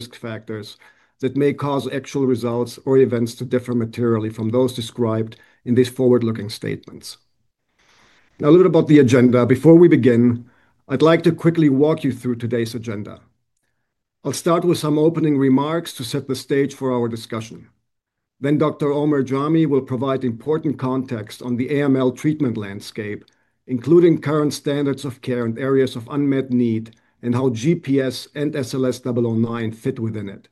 Risk factors that may cause actual results or events to differ materially from those described in these forward-looking statements. Now, a little bit about the agenda. Before we begin, I'd like to quickly walk you through today's agenda. I'll start with some opening remarks to set the stage for our discussion. Then, Dr. Omer Jamy will provide important context on the AML treatment landscape, including current standards of care and areas of unmet need, and how GPS and SLS009 fit within it.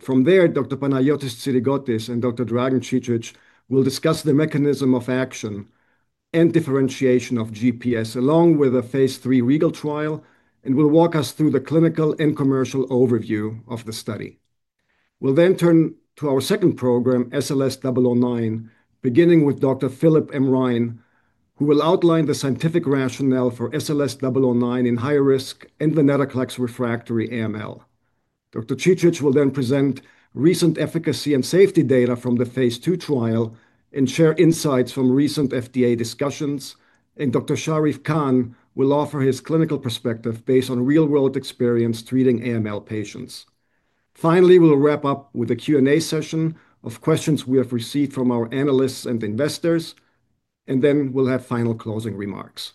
From there, Dr. Panagiotis Tsirigotis and Dr. Dragan Cvicic will discuss the mechanism of action and differentiation of GPS, along with a phase III REGAL trial, and will walk us through the clinical and commercial overview of the study. We'll then turn to our second program, SLS009, beginning with Dr. Philip M. Rein, who will outline the scientific rationale for SLS009 in high-risk and Venetoclax-refractory AML. Dr. Cvicic will then present recent efficacy and safety data from the phase II trial and share insights from recent FDA discussions. Dr. Sharif Khan will offer his clinical perspective based on real-world experience treating AML patients. Finally, we'll wrap up with a Q&A session of questions we have received from our analysts and investors. Then we'll have final closing remarks.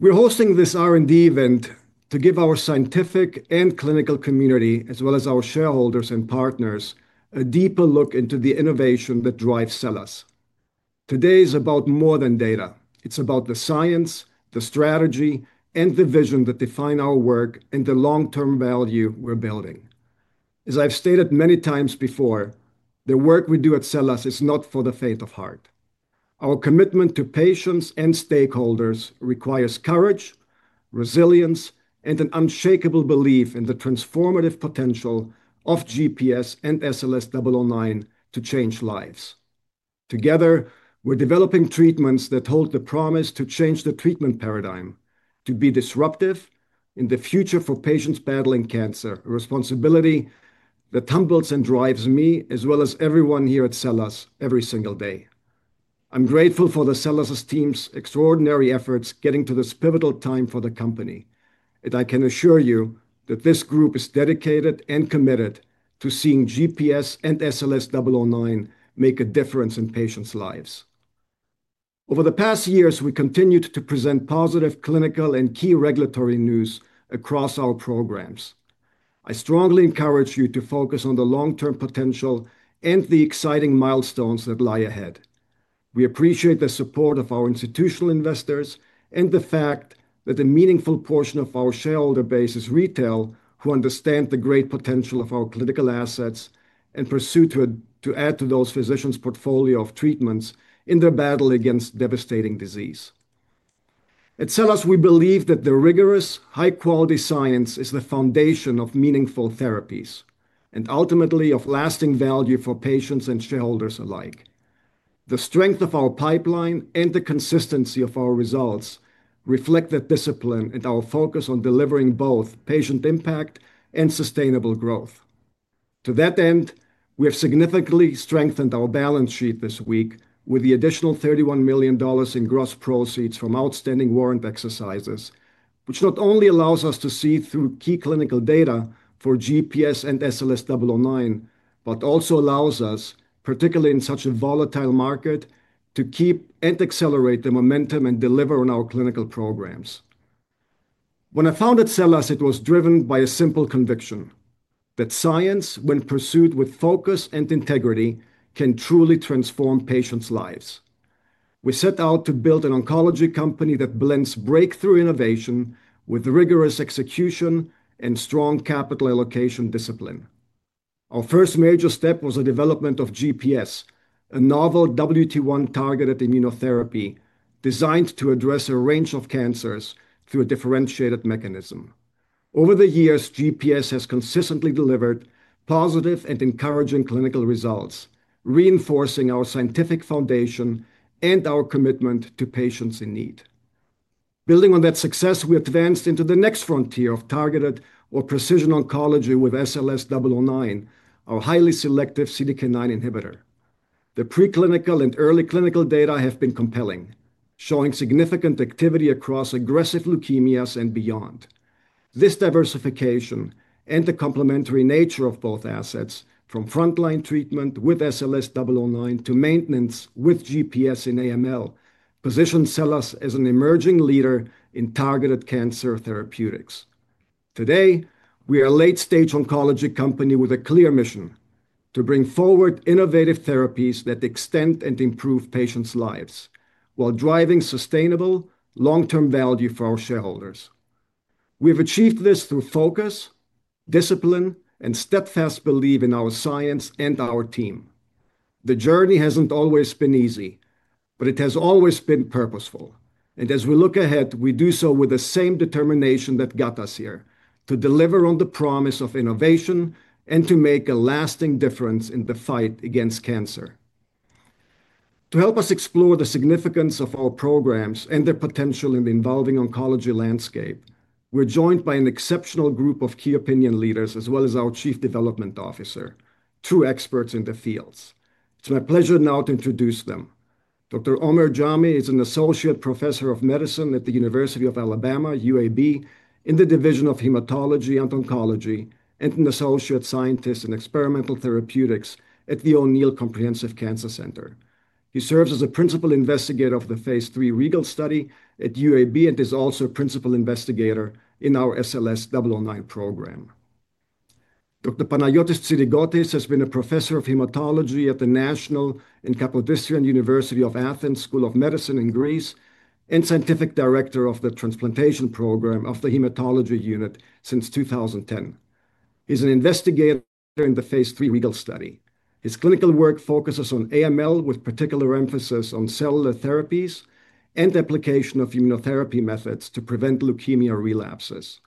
We're hosting this R&D event to give our scientific and clinical community, as well as our shareholders and partners, a deeper look into the innovation that drives SELLAS. Today is about more than data. It's about the science, the strategy, and the vision that define our work and the long-term value we're building. As I've stated many times before, the work we do at SELLAS is not for the faint of heart. Our commitment to patients and stakeholders requires courage, resilience, and an unshakable belief in the transformative potential of GPS and SLS009 to change lives. Together, we're developing treatments that hold the promise to change the treatment paradigm, to be disruptive in the future for patients battling cancer, a responsibility that humbles and drives me, as well as everyone here at SELLAS, every single day. I'm grateful for the SELLAS team's extraordinary efforts getting to this pivotal time for the company. I can assure you that this group is dedicated and committed to seeing GPS and SLS009 make a difference in patients' lives. Over the past years, we continued to present positive clinical and key regulatory news across our programs. I strongly encourage you to focus on the long-term potential and the exciting milestones that lie ahead. We appreciate the support of our institutional investors and the fact that a meaningful portion of our shareholder base is retail, who understand the great potential of our clinical assets and pursue to add to those physicians' portfolio of treatments in their battle against devastating disease. At SELLAS, we believe that rigorous, high-quality science is the foundation of meaningful therapies and ultimately of lasting value for patients and shareholders alike. The strength of our pipeline and the consistency of our results reflect that discipline and our focus on delivering both patient impact and sustainable growth. To that end, we have significantly strengthened our balance sheet this week with the additional $31 million in gross proceeds from outstanding warrant exercises, which not only allows us to see through key clinical data for GPS and SLS009, but also allows us, particularly in such a volatile market, to keep and accelerate the momentum and deliver on our clinical programs. When I founded SELLAS, it was driven by a simple conviction that science, when pursued with focus and integrity, can truly transform patients' lives. We set out to build an oncology company that blends breakthrough innovation with rigorous execution and strong capital allocation discipline. Our first major step was the development of GPS, a novel WT1-targeted immunotherapy designed to address a range of cancers through a differentiated mechanism. Over the years, GPS has consistently delivered positive and encouraging clinical results, reinforcing our scientific foundation and our commitment to patients in need. Building on that success, we advanced into the next frontier of targeted or precision oncology with SLS009, our highly selective CDK9 inhibitor. The preclinical and early clinical data have been compelling, showing significant activity across aggressive leukemias and beyond. This diversification and the complementary nature of both assets, from frontline treatment with SLS009 to maintenance with GPS in AML, position SELLAS as an emerging leader in targeted cancer therapeutics. Today, we are a late-stage oncology company with a clear mission: to bring forward innovative therapies that extend and improve patients' lives while driving sustainable, long-term value for our shareholders. We've achieved this through focus, discipline, and steadfast belief in our science and our team. The journey hasn't always been easy, but it has always been purposeful. As we look ahead, we do so with the same determination that got us here: to deliver on the promise of innovation and to make a lasting difference in the fight against cancer. To help us explore the significance of our programs and their potential in the evolving oncology landscape, we're joined by an exceptional group of key opinion leaders, as well as our Chief Development Officer, two experts in the fields. It's my pleasure now to introduce them. Dr. Omer Jamy is an Associate Professor of Medicine at the University of Alabama at Birmingham, in the Division of Hematology and Oncology, and an Associate Scientist in Experimental Therapeutics at the O'Neal Comprehensive Cancer Center. He serves as a Principal Investigator of the phase III REGAL trial at UAB and is also a Principal Investigator in our SLS009 program. Dr. Panagiotis Tsirigotis has been a Professor of Hematology at the National and Kapodistrian University of Athens School of Medicine in Greece and Scientific Director of the Transplantation Program of the Hematology Unit since 2010. He's an investigator in the phase III REGAL trial. His clinical work focuses on acute myeloid leukemia (AML), with particular emphasis on cellular therapies and the application of immunotherapy methods to prevent leukemia relapses.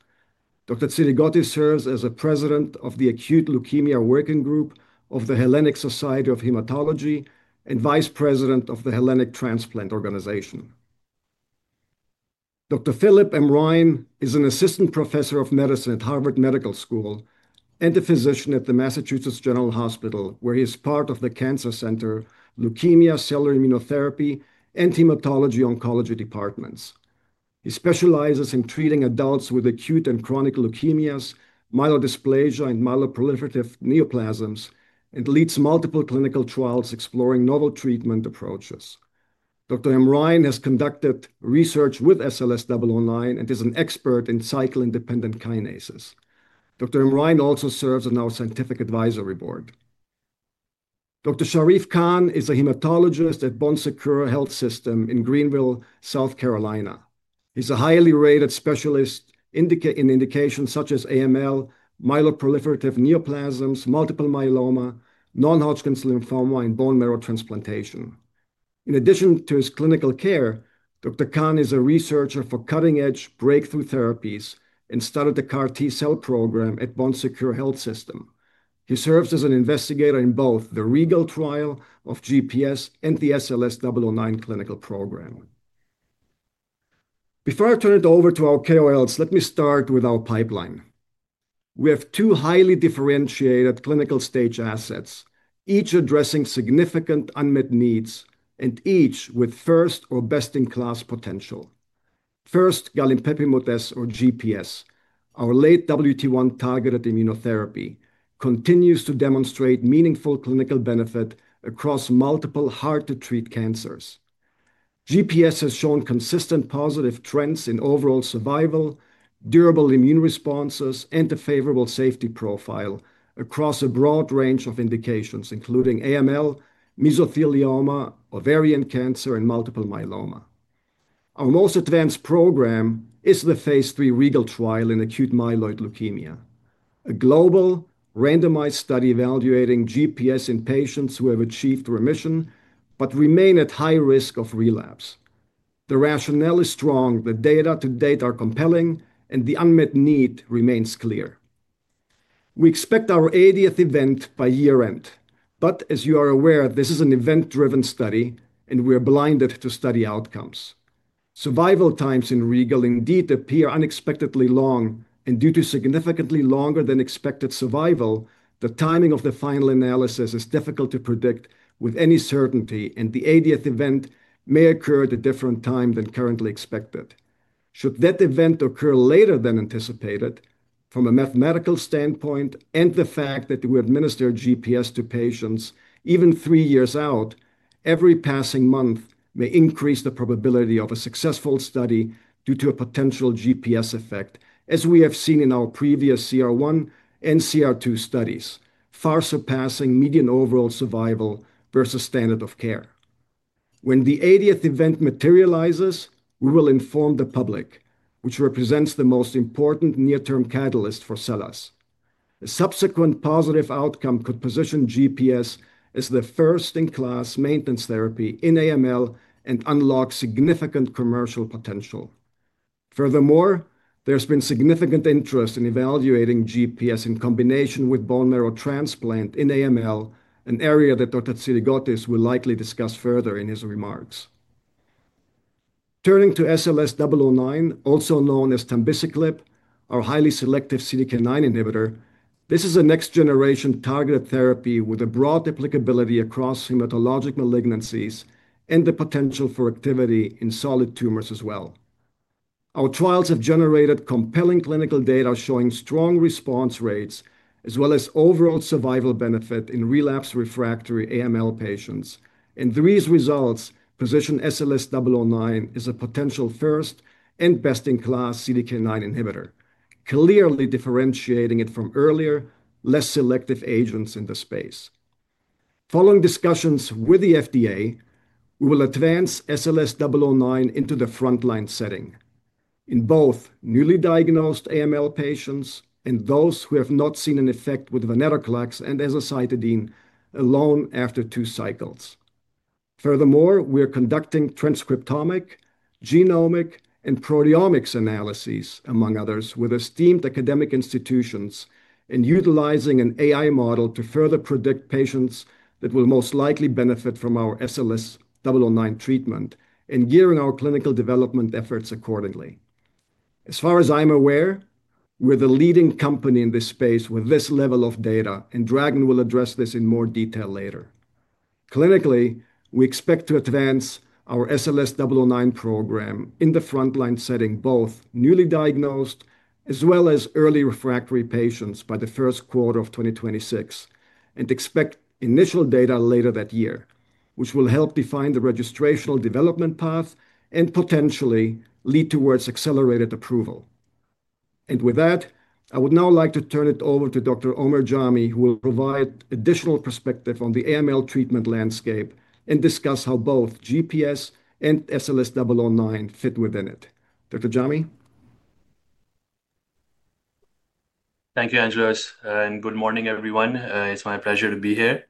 Dr. Tsirigotis serves as President of the Acute Leukemia Working Group of the Hellenic Society of Hematology and Vice President of the Hellenic Transplant Organization. Dr. Philip M. Rein is an Assistant Professor of Medicine at Harvard Medical School and a physician at Massachusetts General Hospital, where he is part of the Cancer Center, Leukemia, Cellular Immunotherapy, and Hematology Oncology departments. He specializes in treating adults with acute and chronic leukemias, myelodysplasia, and myeloproliferative neoplasms and leads multiple clinical trials exploring novel treatment approaches. Dr. Rein has conducted research with SLS009 and is an expert in cycle-independent kinases. Dr. Rein also serves on our Scientific Advisory Board. Dr. Sharif Khan is a hematologist at Bon Secours Health System in Greenville, South Carolina. He's a highly rated specialist in indications such as AML, myeloproliferative neoplasms, multiple myeloma, non-Hodgkin's lymphoma, and bone marrow transplantation. In addition to his clinical care, Dr. Khan is a researcher for cutting-edge breakthrough therapies and started the CAR T-cell program at Bon Secours Health System. He serves as an investigator in both the REGAL trial of GPS and the SLS009 clinical program. Before I turn it over to our key opinion leaders, let me start with our pipeline. We have two highly differentiated clinical stage assets, each addressing significant unmet needs and each with first or best-in-class potential. First, Galinpepimut-S, or GPS, our late WT1-targeted immunotherapy, continues to demonstrate meaningful clinical benefit across multiple hard-to-treat cancers. GPS has shown consistent positive trends in overall survival, durable immune responses, and a favorable safety profile across a broad range of indications, including AML, mesothelioma, ovarian cancer, and multiple myeloma. Our most advanced program is the phase III REGAL trial in acute myeloid leukemia, a global, randomized study evaluating GPS in patients who have achieved remission but remain at high risk of relapse. The rationale is strong. The data to date are compelling, and the unmet need remains clear. We expect our 80th event by year-end. As you are aware, this is an event-driven study, and we are blinded to study outcomes. Survival times in REGAL indeed appear unexpectedly long, and due to significantly longer than expected survival, the timing of the final analysis is difficult to predict with any certainty, and the 80th event may occur at a different time than currently expected. Should that event occur later than anticipated, from a mathematical standpoint and the fact that we administer GPS to patients even three years out, every passing month may increase the probability of a successful study due to a potential GPS effect, as we have seen in our previous CR1 and CR2 studies, far surpassing median overall survival versus standard of care. When the 80th event materializes, we will inform the public, which represents the most important near-term catalyst for SELLAS. A subsequent positive outcome could position GPS as the first-in-class maintenance therapy in AML and unlock significant commercial potential. Furthermore, there's been significant interest in evaluating GPS in combination with bone marrow transplant in AML, an area that Dr. Tsirigotis will likely discuss further in his remarks. Turning to SLS009, also known as tambiciclib, our highly selective CDK9 inhibitor, this is a next-generation targeted therapy with a broad applicability across hematologic malignancies and the potential for activity in solid tumors as well. Our trials have generated compelling clinical data showing strong response rates, as well as overall survival benefit in relapsed-refractory AML patients. These results position SLS009 as a potential first and best-in-class CDK9 inhibitor, clearly differentiating it from earlier, less selective agents in the space. Following discussions with the FDA, we will advance SLS009 into the frontline setting in both newly diagnosed AML patients and those who have not seen an effect with Venetoclax and azacitidine alone after two cycles. Furthermore, we are conducting transcriptomic, genomic, and proteomics analyses, among others, with esteemed academic institutions and utilizing an AI model to further predict patients that will most likely benefit from our SLS009 treatment and gearing our clinical development efforts accordingly. As far as I'm aware, we're the leading company in this space with this level of data, and Dragan will address this in more detail later. Clinically, we expect to advance our SLS009 program in the frontline setting both newly diagnosed as well as early refractory patients by the first quarter of 2026 and expect initial data later that year, which will help define the registrational development path and potentially lead towards accelerated approval. I would now like to turn it over to Dr. Omer Jamy, who will provide additional perspective on the AML treatment landscape and discuss how both GPS and SLS009 fit within it. Dr. Jamy. Thank you, Angelos, and good morning, everyone. It's my pleasure to be here.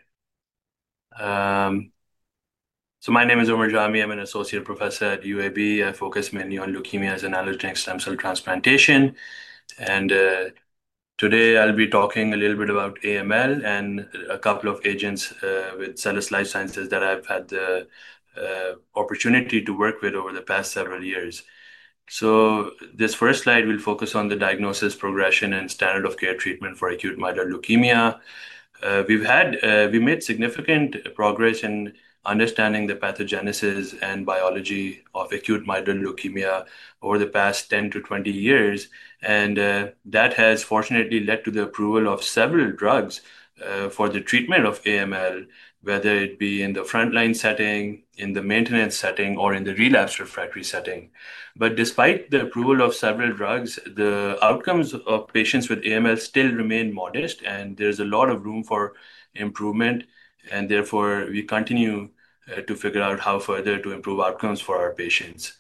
My name is Omer Jamy. I'm an Associate Professor at UAB. I focus mainly on leukemias and allogeneic stem cell transplantation. Today, I'll be talking a little bit about AML and a couple of agents with SELLAS Life Sciences Group that I've had the opportunity to work with over the past several years. This first slide will focus on the diagnosis, progression, and standard of care treatment for acute myeloid leukemia. We've made significant progress in understanding the pathogenesis and biology of acute myeloid leukemia over the past 10 to 20 years. That has fortunately led to the approval of several drugs for the treatment of AML, whether it be in the frontline setting, in the maintenance setting, or in the relapse refractory setting. Despite the approval of several drugs, the outcomes of patients with AML still remain modest, and there's a lot of room for improvement. Therefore, we continue to figure out how further to improve outcomes for our patients.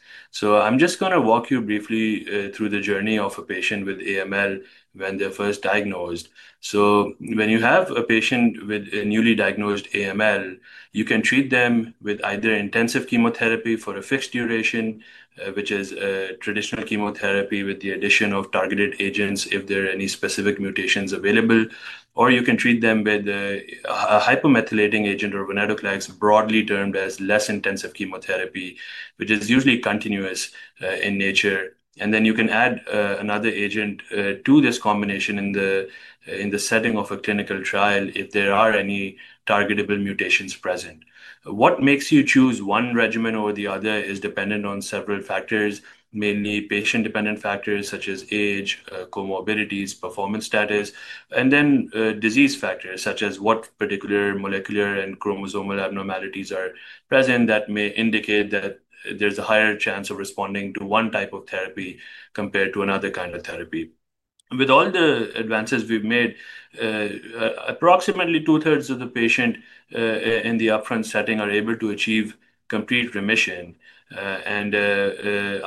I'm just going to walk you briefly through the journey of a patient with AML when they're first diagnosed. When you have a patient with a newly diagnosed AML, you can treat them with either intensive chemotherapy for a fixed duration, which is a traditional chemotherapy with the addition of targeted agents if there are any specific mutations available, or you can treat them with a hypomethylating agent or Venetoclax, broadly termed as less intensive chemotherapy, which is usually continuous in nature. You can add another agent to this combination in the setting of a clinical trial if there are any targetable mutations present. What makes you choose one regimen over the other is dependent on several factors, mainly patient-dependent factors such as age, comorbidities, performance status, and then disease factors such as what particular molecular and chromosomal abnormalities are present that may indicate that there's a higher chance of responding to one type of therapy compared to another kind of therapy. With all the advances we've made, approximately 2/3 of the patients in the upfront setting are able to achieve complete remission. This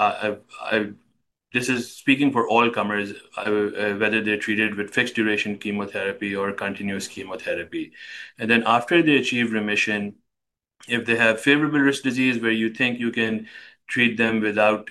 is speaking for all comers, whether they're treated with fixed-duration chemotherapy or continuous chemotherapy. After they achieve remission, if they have favorable risk disease where you think you can treat them without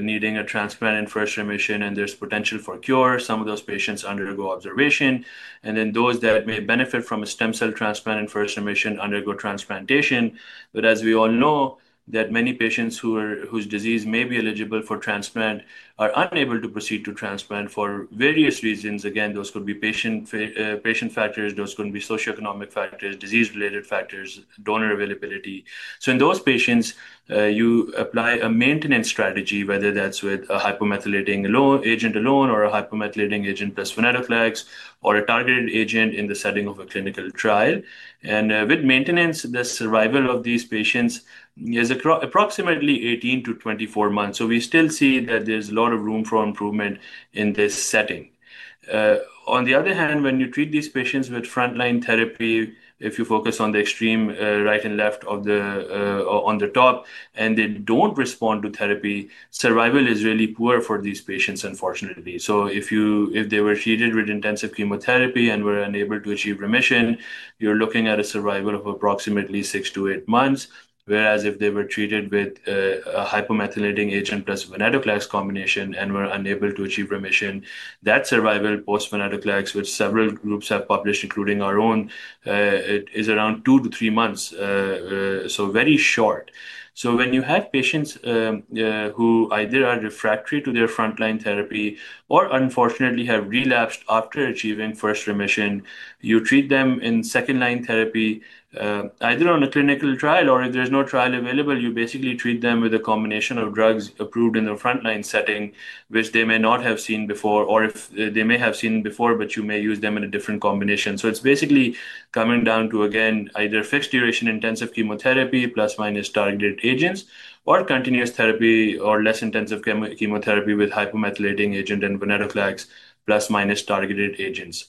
needing a transplant in first remission and there's potential for cure, some of those patients undergo observation. Those that may benefit from a stem cell transplant in first remission undergo transplantation. As we all know, many patients whose disease may be eligible for transplant are unable to proceed to transplant for various reasons. Those could be patient factors, socioeconomic factors, disease-related factors, or donor availability. In those patients, you apply a maintenance strategy, whether that's with a hypomethylating agent alone or a hypomethylating agent plus Venetoclax or a targeted agent in the setting of a clinical trial. With maintenance, the survival of these patients is approximately 18 to 24 months. We still see that there's a lot of room for improvement in this setting. On the other hand, when you treat these patients with frontline therapy, if you focus on the extreme right and left on the top and they don't respond to therapy, survival is really poor for these patients, unfortunately. If they were treated with intensive chemotherapy and were unable to achieve remission, you're looking at a survival of approximately six to eight months, whereas if they were treated with a hypomethylating agent plus Venetoclax combination and were unable to achieve remission, that survival post-Venetoclax, which several groups have published, including our own, is around two to three months, so very short. When you have patients who either are refractory to their frontline therapy or unfortunately have relapsed after achieving first remission, you treat them in second-line therapy either on a clinical trial or if there's no trial available, you basically treat them with a combination of drugs approved in the frontline setting, which they may not have seen before, or if they may have seen before, but you may use them in a different combination. It is basically coming down to either fixed-duration intensive chemotherapy plus/minus targeted agents or continuous therapy or less intensive chemotherapy with hypomethylating agent and Venetoclax plus/minus targeted agents.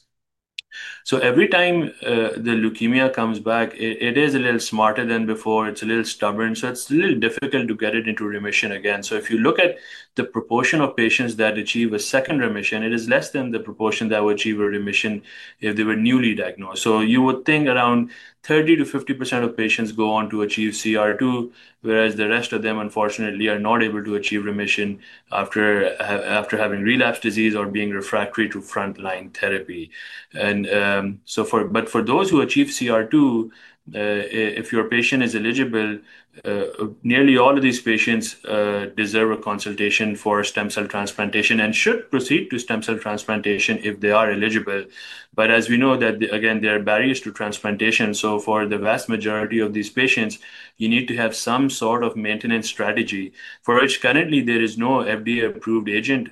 Every time the leukemia comes back, it is a little smarter than before. It's a little stubborn. It's a little difficult to get it into remission again. If you look at the proportion of patients that achieve a second remission, it is less than the proportion that would achieve a remission if they were newly diagnosed. You would think around 30% to 50% of patients go on to achieve CR2, whereas the rest of them, unfortunately, are not able to achieve remission after having relapsed disease or being refractory to frontline therapy. For those who achieve CR2, if your patient is eligible, nearly all of these patients deserve a consultation for stem cell transplantation and should proceed to stem cell transplantation if they are eligible. As we know, there are barriers to transplantation. For the vast majority of these patients, you need to have some sort of maintenance strategy, for which currently there is no FDA-approved agent.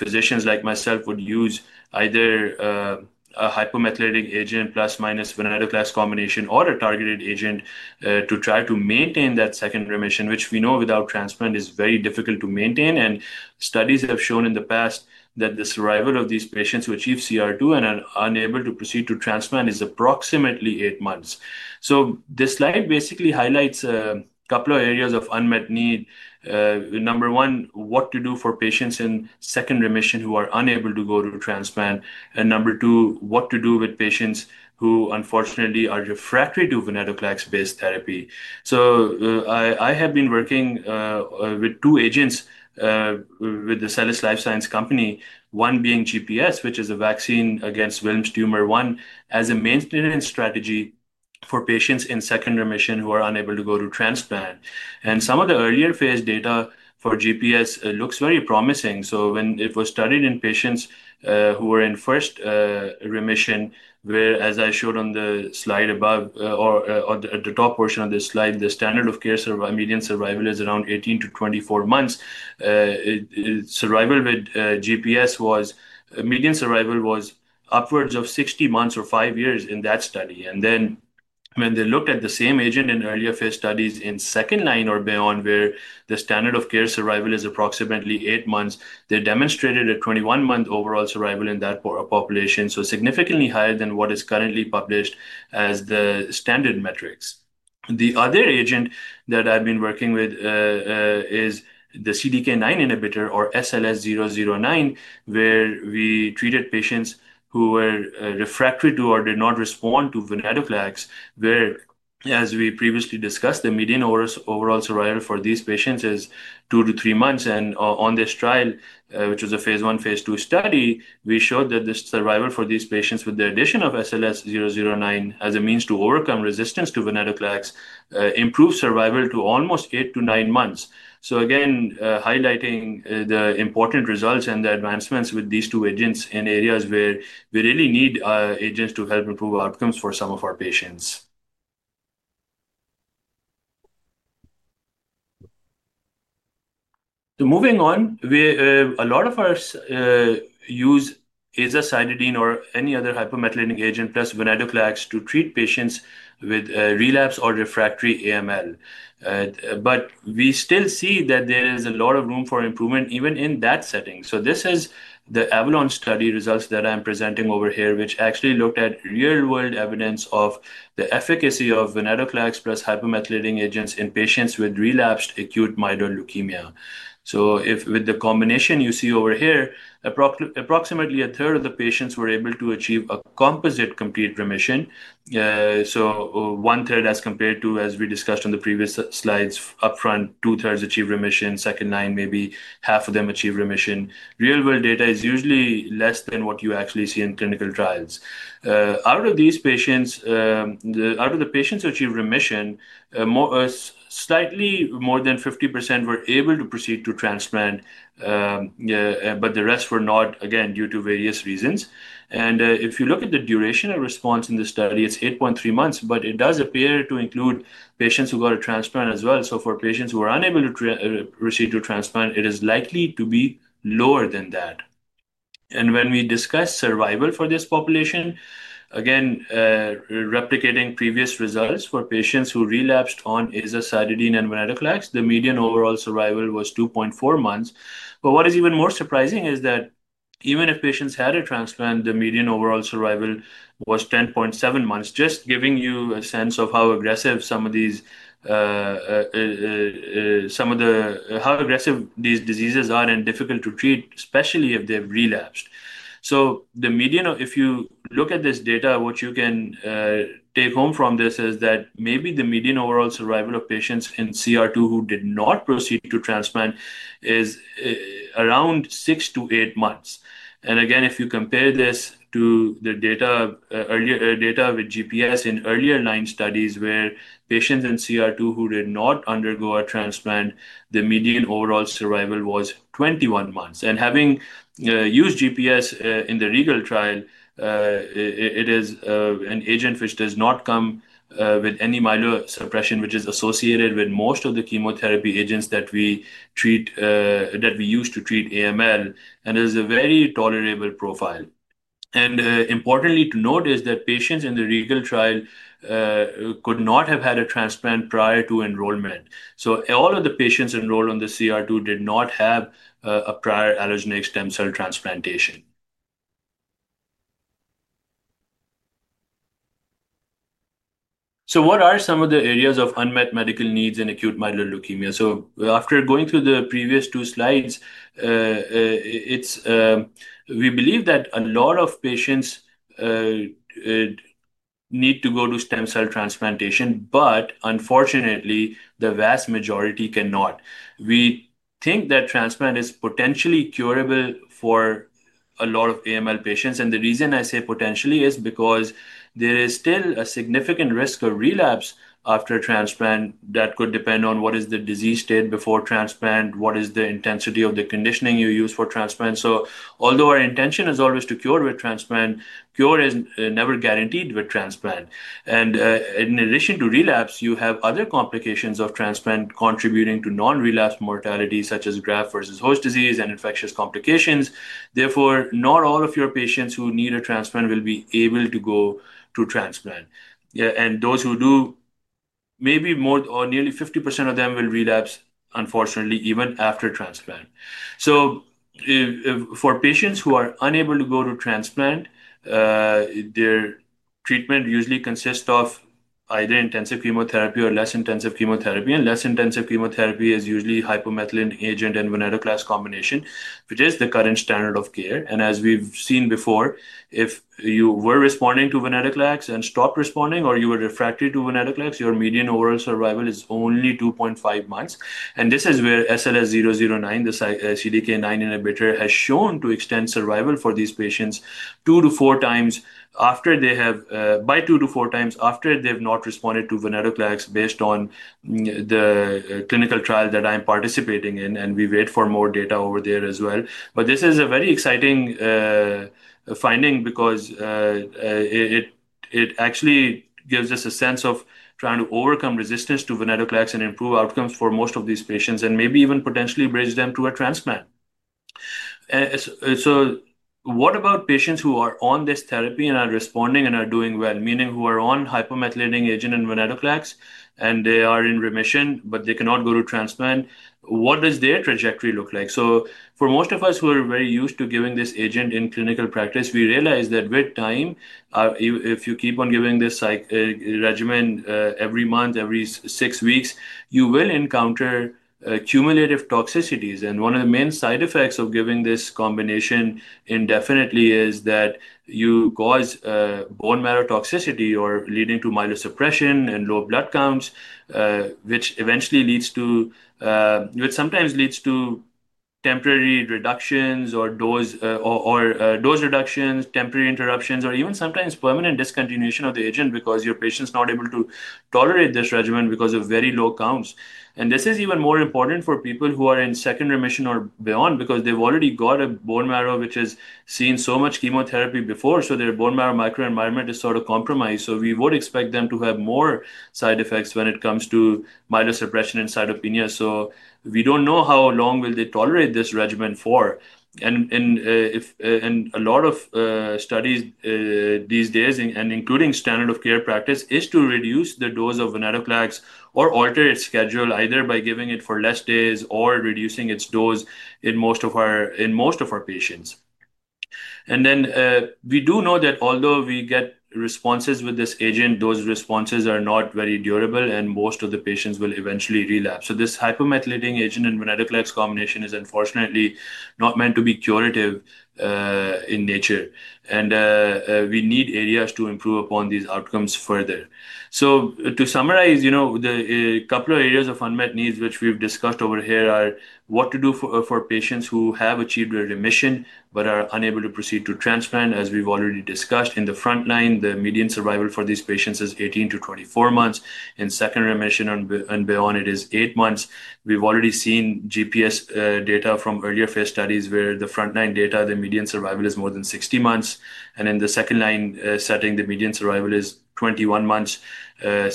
Physicians like myself would use either a hypomethylating agent plus/minus Venetoclax combination or a targeted agent to try to maintain that second remission, which we know without transplant is very difficult to maintain. Studies have shown in the past that the survival of these patients who achieve CR2 and are unable to proceed to transplant is approximately eight months. This slide basically highlights a couple of areas of unmet need. Number one, what to do for patients in second remission who are unable to go to transplant. Number two, what to do with patients who, unfortunately, are refractory to Venetoclax-based therapy. I have been working with two agents with the SELLAS Life Sciences Group, one being Galinpepimut-S, which is a vaccine against Wilms Tumor 1, as a maintenance strategy for patients in second remission who are unable to go to transplant. Some of the earlier phase data for Galinpepimut-S looks very promising. When it was studied in patients who were in first remission, where, as I showed on the slide above or at the top portion of this slide, the standard of care median survival is around 18 to 24 months, survival with Galinpepimut-S was median survival was upwards of 60 months or five years in that study. When they looked at the same agent in earlier phase studies in second line or beyond, where the standard of care survival is approximately eight months, they demonstrated a 21-month overall survival in that population, so significantly higher than what is currently published as the standard metrics. The other agent that I've been working with is the CDK9 inhibitor or SLS009, where we treated patients who were refractory to or did not respond to Venetoclax, where, as we previously discussed, the median overall survival for these patients is two to three months. On this trial, which was a phase I, phase II study, we showed that the survival for these patients with the addition of SLS009 as a means to overcome resistance to Venetoclax improved survival to almost eight to nine months. This highlights the important results and the advancements with these two agents in areas where we really need agents to help improve outcomes for some of our patients. Moving on, a lot of users use azacitidine or any other hypomethylating agent plus Venetoclax to treat patients with relapsed or refractory AML. We still see that there is a lot of room for improvement even in that setting. These are the AVALON study results that I'm presenting over here, which actually looked at real-world evidence of the efficacy of Venetoclax plus hypomethylating agents in patients with relapsed acute myeloid leukemia. With the combination you see over here, approximately a third of the patients were able to achieve a composite complete remission. One third as compared to, as we discussed on the previous slides, upfront, 2/3 achieved remission, second line maybe half of them achieved remission. Real-world data is usually less than what you actually see in clinical trials. Out of these patients, out of the patients who achieved remission, slightly more than 50% were able to proceed to transplant, but the rest were not, again, due to various reasons. If you look at the duration of response in this study, it's 8.3 months, but it does appear to include patients who got a transplant as well. For patients who are unable to proceed to transplant, it is likely to be lower than that. When we discuss survival for this population, again, replicating previous results for patients who relapsed on azacitidine and Venetoclax, the median overall survival was 2.4 months. What is even more surprising is that even if patients had a transplant, the median overall survival was 10.7 months, just giving you a sense of how aggressive some of these, how aggressive these diseases are and difficult to treat, especially if they've relapsed. The median, if you look at this data, what you can take home from this is that maybe the median overall survival of patients in CR2 who did not proceed to transplant is around six to eight months. If you compare this to the earlier data with Galinpepimut-S in earlier line studies where patients in CR2 who did not undergo a transplant, the median overall survival was 21 months. Having used Galinpepimut-S in the phase III REGAL trial, it is an agent which does not come with any myelosuppression, which is associated with most of the chemotherapy agents that we use to treat acute myeloid leukemia. It is a very tolerable profile. Importantly to note is that patients phase III REGAL trial could not have had a transplant prior to enrollment. All of the patients enrolled on the CR2 did not have a prior allogeneic stem cell transplantation. What are some of the areas of unmet medical needs in acute myeloid leukemia? After going through the previous two slides, we believe that a lot of patients need to go to stem cell transplantation, but unfortunately, the vast majority cannot. We think that transplant is potentially curable for a lot of acute myeloid leukemia patients. The reason I say potentially is because there is still a significant risk of relapse after transplant that could depend on what is the disease state before transplant, what is the intensity of the conditioning you use for transplant. Although our intention is always to cure with transplant, cure is never guaranteed with transplant. In addition to relapse, you have other complications of transplant contributing to non-relapse mortality, such as graft versus host disease and infectious complications. Therefore, not all of your patients who need a transplant will be able to go to transplant. Those who do, maybe more or nearly 50% of them will relapse, unfortunately, even after transplant. For patients who are unable to go to transplant, their treatment usually consists of either intensive chemotherapy or less intensive chemotherapy. Less intensive chemotherapy is usually a hypomethylating agent and Venetoclax combination, which is the current standard of care. As we've seen before, if you were responding to Venetoclax and stopped responding or you were refractory to Venetoclax, your median overall survival is only 2.5 months. This is where SLS009, the CDK9 inhibitor, has shown to extend survival for these patients by two to four times after they've not responded to Venetoclax based on the clinical trial that I'm participating in. We wait for more data over there as well. This is a very exciting finding because it actually gives us a sense of trying to overcome resistance to Venetoclax and improve outcomes for most of these patients and maybe even potentially bridge them to a transplant. What about patients who are on this therapy and are responding and are doing well, meaning who are on hypomethylating agent and Venetoclax and they are in remission but they cannot go to transplant? What does their trajectory look like? For most of us who are very used to giving this agent in clinical practice, we realize that with time, if you keep on giving this regimen every month, every six weeks, you will encounter cumulative toxicities. One of the main side effects of giving this combination indefinitely is that you cause bone marrow toxicity leading to myelosuppression and low blood counts, which sometimes leads to temporary reductions or dose reductions, temporary interruptions, or even sometimes permanent discontinuation of the agent because your patient's not able to tolerate this regimen because of very low counts. This is even more important for people who are in second remission or beyond because they've already got a bone marrow which has seen so much chemotherapy before. Their bone marrow microenvironment is sort of compromised. We would expect them to have more side effects when it comes to myelosuppression and cytopenias. We don't know how long they will tolerate this regimen for. A lot of studies these days, including standard of care practice, is to reduce the dose of Venetoclax or alter its schedule either by giving it for less days or reducing its dose in most of our patients. We do know that although we get responses with this agent, those responses are not very durable and most of the patients will eventually relapse. This hypomethylating agent and Venetoclax combination is unfortunately not meant to be curative in nature. We need areas to improve upon these outcomes further. To summarize, a couple of areas of unmet needs which we've discussed over here are what to do for patients who have achieved remission but are unable to proceed to transplant. As we've already discussed, in the frontline, the median survival for these patients is 18 to 24 months. In second remission and beyond, it is eight months. We've already seen GPS data from earlier phase studies where the frontline data, the median survival is more than 60 months. In the second line setting, the median survival is 21 months,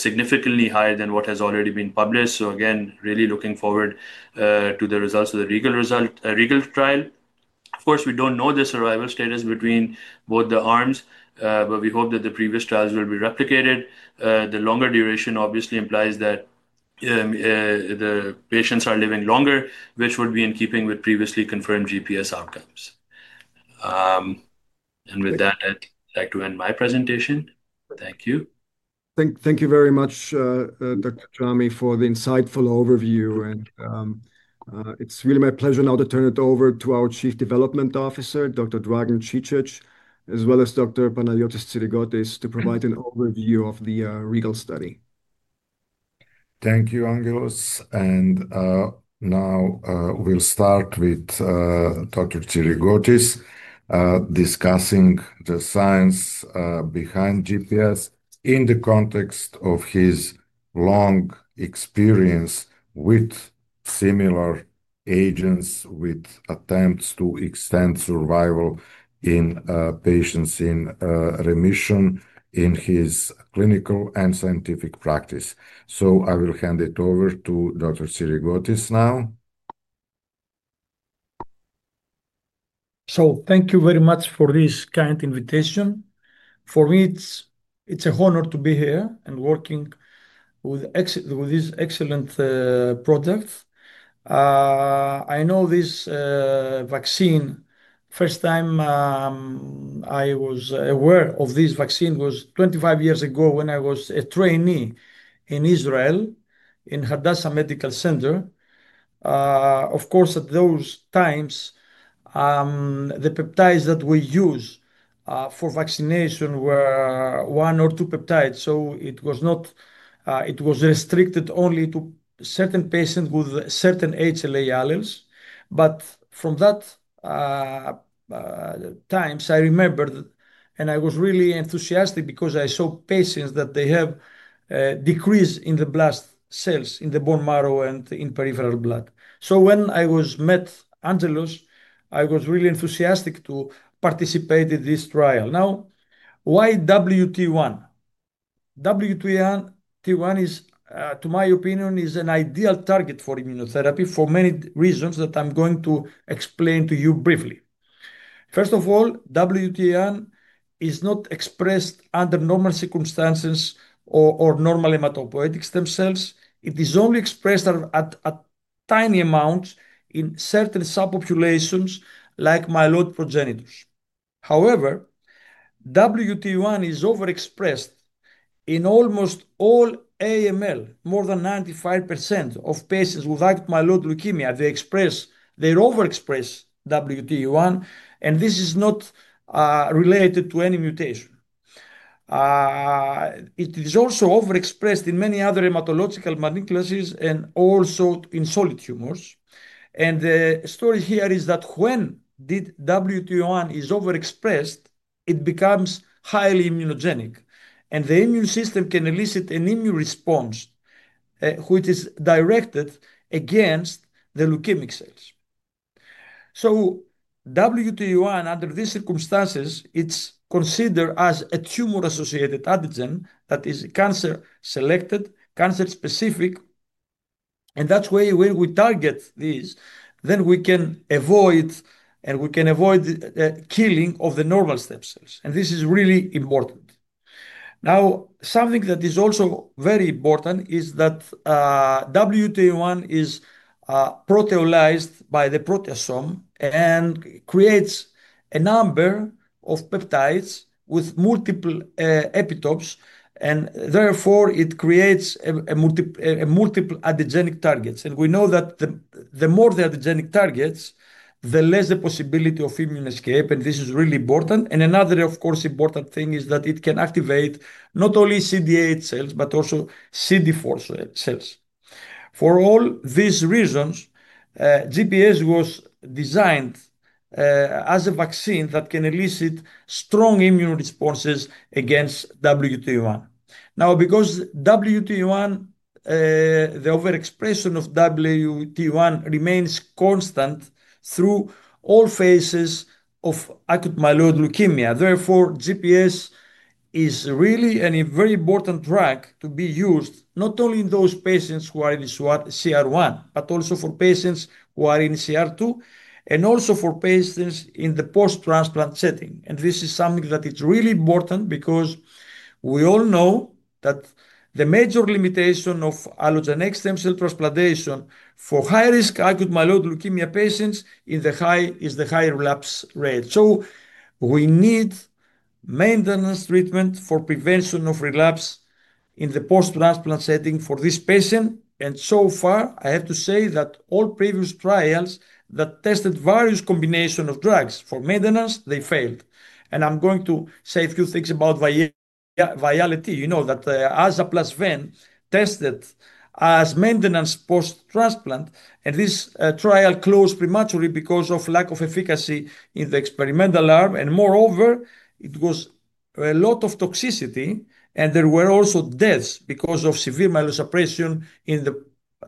significantly higher than what has already been published. Really looking forward to the results of the REGAL trial. Of course, we don't know the survival status between both the arms, but we hope that the previous trials will be replicated. The longer duration obviously implies that the patients are living longer, which would be in keeping with previously confirmed GPS outcomes. With that, I'd like to end my presentation. Thank you. Thank you very much, Dr. Jamy, for the insightful overview. It's really my pleasure now to turn it over to our Chief Development Officer, Dr. Dragan Cvicic, as well as Dr. Panagiotis Tsirigotis, to provide an overview of the REGAL Study. Thank you, Angelos. We will start with Dr. Tsirigotis discussing the science behind GPS in the context of his long experience with similar agents with attempts to extend survival in patients in remission in his clinical and scientific practice. I will hand it over to Dr. Tsirigotis now. Thank you very much for this kind invitation. For me, it's an honor to be here and working with this excellent project. I know this vaccine. The first time I was aware of this vaccine was 25 years ago when I was a trainee in Israel in Hadassah Medical Center. At those times, the peptides that we used for vaccination were one or two peptides, so it was restricted only to certain patients with certain HLA alleles. From that time, I remembered, and I was really enthusiastic because I saw patients that they have a decrease in the blast cells in the bone marrow and in peripheral blood. When I met Angelos, I was really enthusiastic to participate in this trial. Now, why WT1? WT1, to my opinion, is an ideal target for immunotherapy for many reasons that I'm going to explain to you briefly. First of all, WT1 is not expressed under normal circumstances or normal hematopoietic stem cells. It is only expressed at tiny amounts in certain subpopulations like myeloid progenitors. However, WT1 is overexpressed in almost all AML. More than 95% of patients with active myeloid leukemia overexpress WT1, and this is not related to any mutation. It is also overexpressed in many other hematological malignancies and also in solid tumors. The story here is that when WT1 is overexpressed, it becomes highly immunogenic, and the immune system can elicit an immune response which is directed against the leukemic cells. WT1, under these circumstances, is considered as a tumor-associated antigen that is cancer-selected, cancer-specific. That's why when we target these, then we can avoid the killing of the normal stem cells, and this is really important. Something that is also very important is that WT1 is proteolized by the proteasome and creates a number of peptides with multiple epitopes. Therefore, it creates multiple antigenic targets, and we know that the more the antigenic targets, the less the possibility of immune escape. This is really important. Another important thing is that it can activate not only CD8 cells but also CD4 cells. For all these reasons, GPS was designed as a vaccine that can elicit strong immune responses against WT1. Because the overexpression of WT1 remains constant through all phases of acute myeloid leukemia. Therefore, GPS is really a very important drug to be used not only in those patients who are in CR1, but also for patients who are in CR2 and also for patients in the post-transplant setting. This is something that is really important because we all know that the major limitation of allogeneic stem cell transplantation for high-risk acute myeloid leukemia patients is the high relapse rate. We need maintenance treatment for prevention of relapse in the post-transplant setting for this patient. So far, I have to say that all previous trials that tested various combinations of drugs for maintenance, they failed. I'm going to say a few things about VIALE-A. Aza plus ven tested as maintenance post-transplant, and this trial closed prematurely because of lack of efficacy in the experimental arm. Moreover, it was a lot of toxicity, and there were also deaths because of severe myelosuppression in the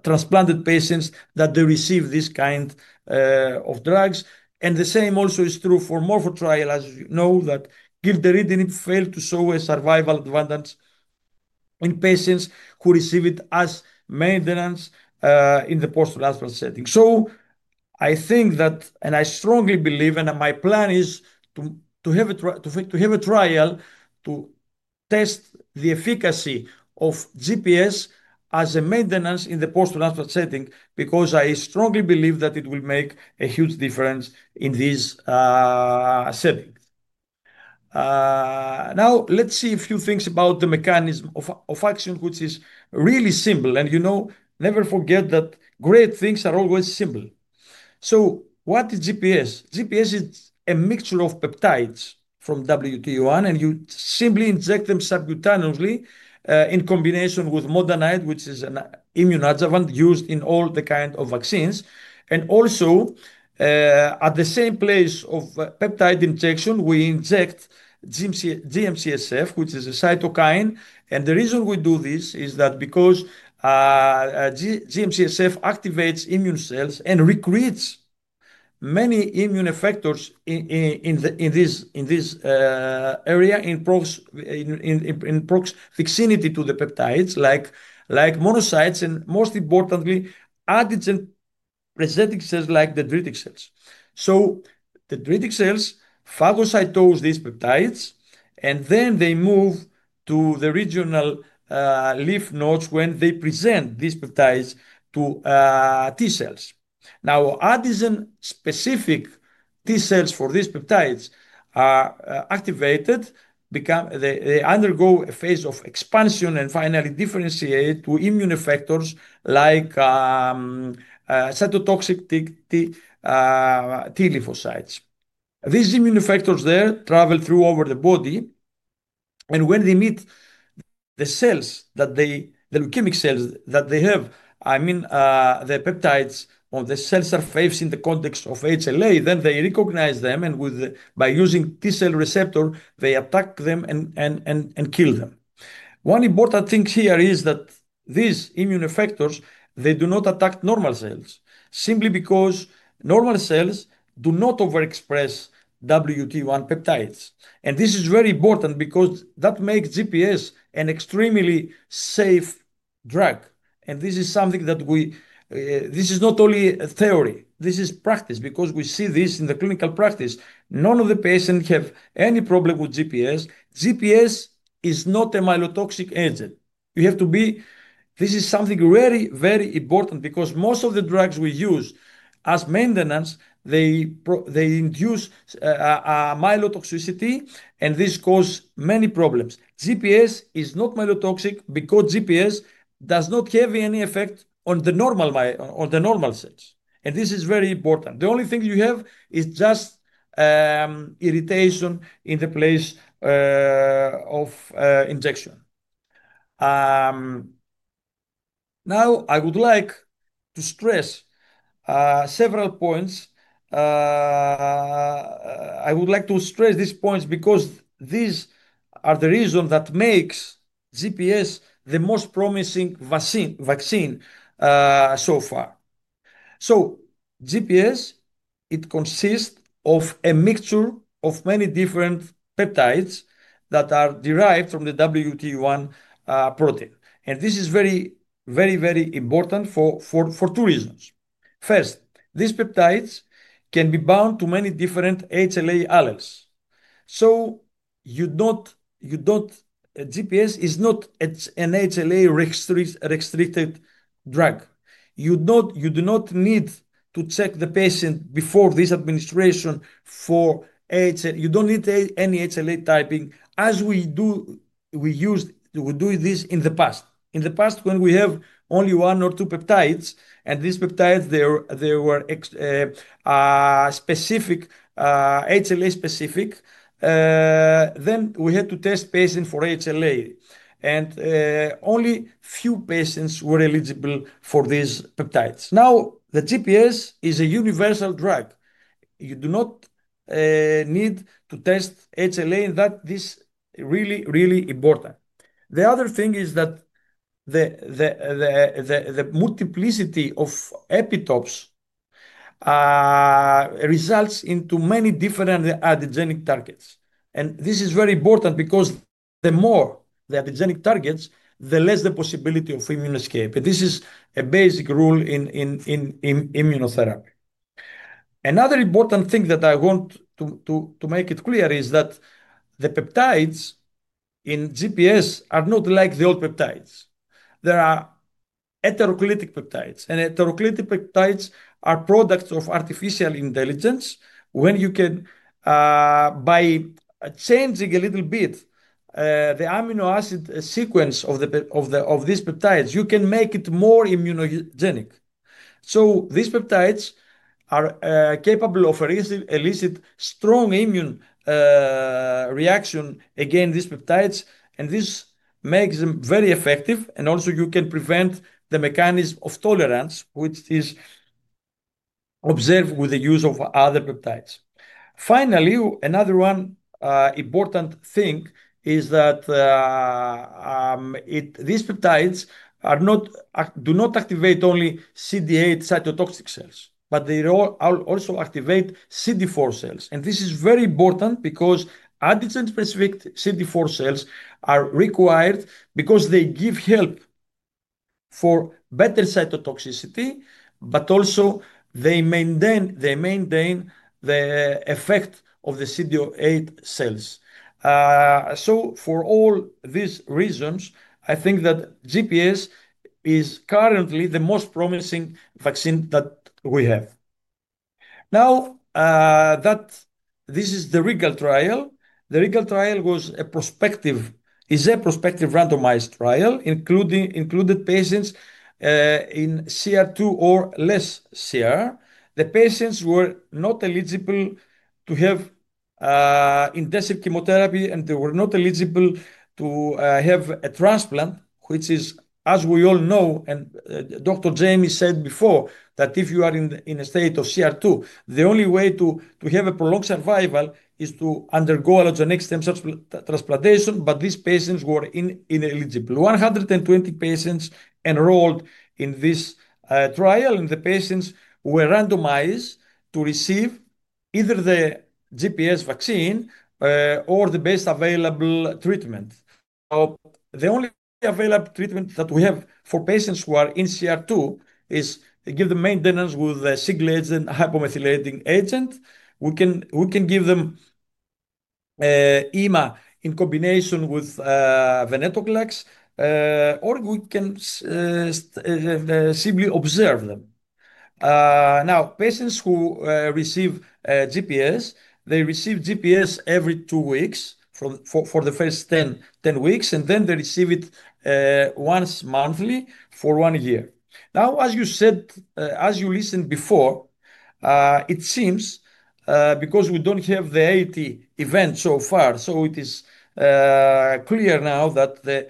transplanted patients that they received this kind of drugs. The same also is true for MORPHO trial, as you know, that give the reading failed to show a survival advantage in patients who receive it as maintenance in the post-transplant setting. I think that, and I strongly believe, and my plan is to have a trial to test the efficacy of GPS as a maintenance in the post-transplant setting because I strongly believe that it will make a huge difference in these settings. Now, let's see a few things about the mechanism of action, which is really simple. You know, never forget that great things are always simple. What is GPS? GPS is a mixture of peptides from WT1, and you simply inject them subcutaneously in combination with Montanide, which is an immunoadjuvant used in all the kinds of vaccines. Also, at the same place of peptide injection, we inject GMCSF, which is a cytokine. The reason we do this is that because GMCSF activates immune cells and recreates many immune effectors in this area, in proximity to the peptides like monocytes and most importantly, antigen-presenting cells like dendritic cells. Dendritic cells phagocytose these peptides, and then they move to the regional lymph nodes when they present these peptides to T cells. Now, antigen-specific T cells for these peptides are activated, become they undergo a phase of expansion and finally differentiate to immune effectors like cytotoxic T lymphocytes. These immune effectors there travel through over the body. When they meet the cells that they, the leukemic cells that they have, I mean the peptides on the cell surface in the context of HLA, they recognize them. By using T cell receptors, they attack them and kill them. One important thing here is that these immune effectors do not attack normal cells simply because normal cells do not overexpress WT1 peptides. This is very important because that makes GPS an extremely safe drug. This is not only a theory. This is practice because we see this in the clinical practice. None of the patients have any problem with GPS. GPS is not a myelotoxic agent. This is something very, very important because most of the drugs we use as maintenance induce myelotoxicity, and this causes many problems. GPS is not myelotoxic because GPS does not have any effect on the normal cells. This is very important. The only thing you have is just irritation in the place of injection. I would like to stress several points. I would like to stress these points because these are the reasons that make GPS the most promising vaccine so far. GPS consists of a mixture of many different peptides that are derived from the WT1 protein. This is very, very, very important for two reasons. First, these peptides can be bound to many different HLA alleles. GPS is not an HLA-restricted drug. You do not need to check the patient before this administration for HLA. You do not need any HLA typing. As we do, we do this in the past. In the past, when we have only one or two peptides and these peptides, they were specific, HLA-specific, then we had to test patients for HLA. Only a few patients were eligible for these peptides. Now, GPS is a universal drug. You do not need to test HLA in that. This is really, really important. The other thing is that the multiplicity of epitopes results in many different antigenic targets. This is very important because the more the antigenic targets, the less the possibility of immune escape. This is a basic rule in immunotherapy. Another important thing that I want to make it clear is that the peptides in GPS are not like the old peptides. There are heteroclitic peptides, and heteroclitic peptides are products of artificial intelligence. By changing a little bit the amino acid sequence of these peptides, you can make it more immunogenic. These peptides are capable of eliciting strong immune reactions against these peptides, and this makes them very effective. You can prevent the mechanism of tolerance, which is observed with the use of other peptides. Finally, another important thing is that these peptides do not activate only CD8 cytotoxic cells, but they also activate CD4 cells. This is very important because antigen-specific CD4 cells are required because they give help for better cytotoxicity, but also they maintain the effect of the CD8 cells. For all these reasons, I think that GPS is currently the most promising vaccine that we have. Now, this is the REGAL trial. The REGAL trial was a prospective, is a prospective randomized trial, including patients in CR2 or less CR. The patients were not eligible to have intensive chemotherapy, and they were not eligible to have a transplant, which is, as we all know, and Dr. Jamy said before, that if you are in a state of CR2, the only way to have a prolonged survival is to undergo allogeneic stem cell transplantation. These patients were ineligible. 120 patients enrolled in this trial, and the patients were randomized to receive either the GPS vaccine or the best available treatment. The only available treatment that we have for patients who are in CR2 is give them maintenance with a single-agent hypomethylating agent. We can give them HMA in combination with Venetoclax, or we can simply observe them. Patients who receive GPS, they receive GPS every two weeks for the first 10 weeks, and then they receive it once monthly for one year. As you said, as you listened before, it seems because we don't have the 80 events so far, it is clear now that the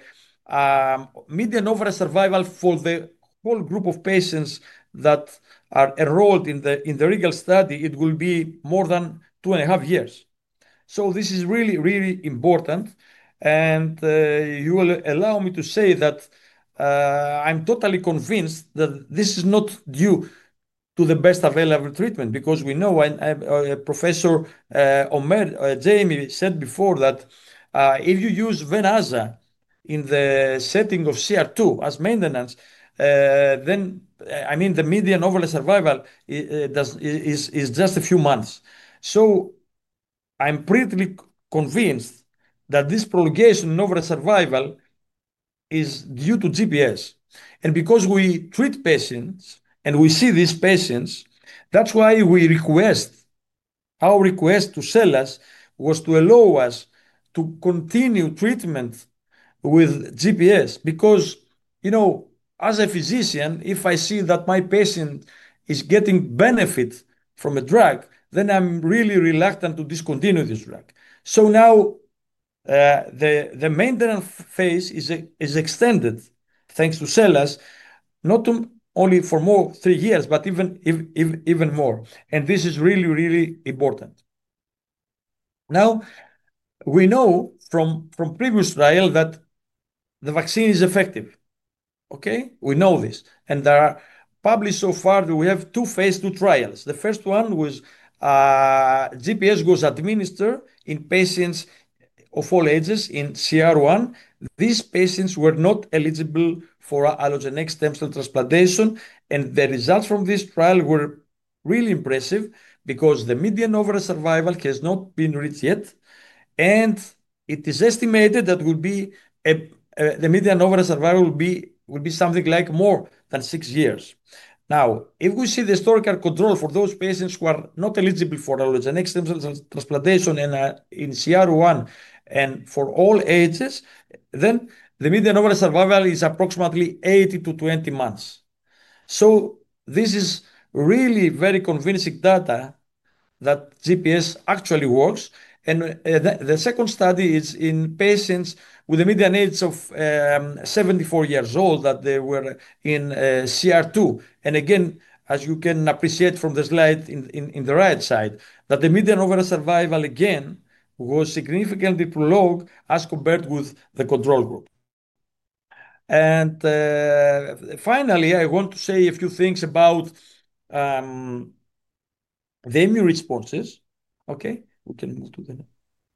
median overall survival for the whole group of patients that are enrolled in the REGAL Study, it will be more than two and a half years. This is really, really important. You will allow me to say that I'm totally convinced that this is not due to the best available treatment because we know, and Professor Jamy said before, that if you use Venasa in the setting of CR2 as maintenance, the median overall survival is just a few months. I'm pretty convinced that this prolongation in overall survival is due to GPS. Because we treat patients and we see these patients, that's why our request to SELLAS was to allow us to continue treatment with GPS because, you know, as a physician, if I see that my patient is getting benefit from a drug, then I'm really reluctant to discontinue this drug. Now, the maintenance phase is extended thanks to SELLAS, not only for more than three years, but even more. This is really, really important. We know from previous trials that the vaccine is effective. We know this. There are published so far that we have two phase II trials. The first one was GPS was administered in patients of all ages in CR1. These patients were not eligible for allogeneic stem cell transplantation. The results from this trial were really impressive because the median overall survival has not been reached yet. It is estimated that the median overall survival will be something like more than six years. If we see the historical control for those patients who are not eligible for allogeneic stem cell transplantation in CR1 and for all ages, the median overall survival is approximately 18 to 20 months. This is really very convincing data that GPS actually works. The second study is in patients with a median age of 74 years old that they were in CR2. As you can appreciate from the slide on the right side, the median overall survival again was significantly prolonged as compared with the control group. Finally, I want to say a few things about the immune responses. We can move to the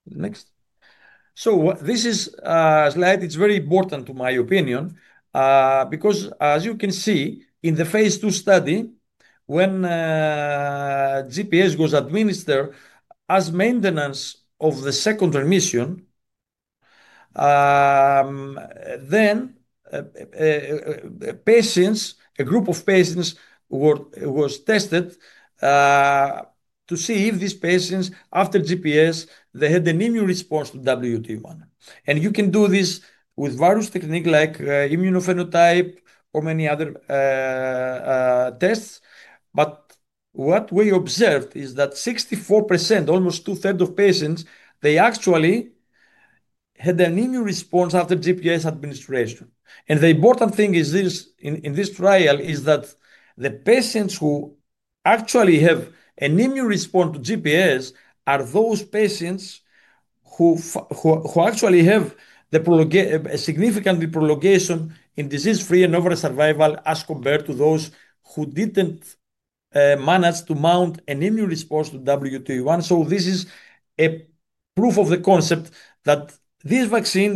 next. This slide is very important in my opinion because, as you can see, in the phase II study, when GPS was administered as maintenance of the second remission, a group of patients was tested to see if these patients after GPS had an immune response to WT1. You can do this with various techniques like immunophenotype or many other tests. What we observed is that 64%, almost 2/3 of patients, actually had an immune response after GPS administration. The important thing in this trial is that the patients who actually have an immune response to GPS are those patients who actually have a significant prolongation in disease-free and overall survival as compared to those who didn't manage to mount an immune response to WT1. This is a proof of the concept that this vaccine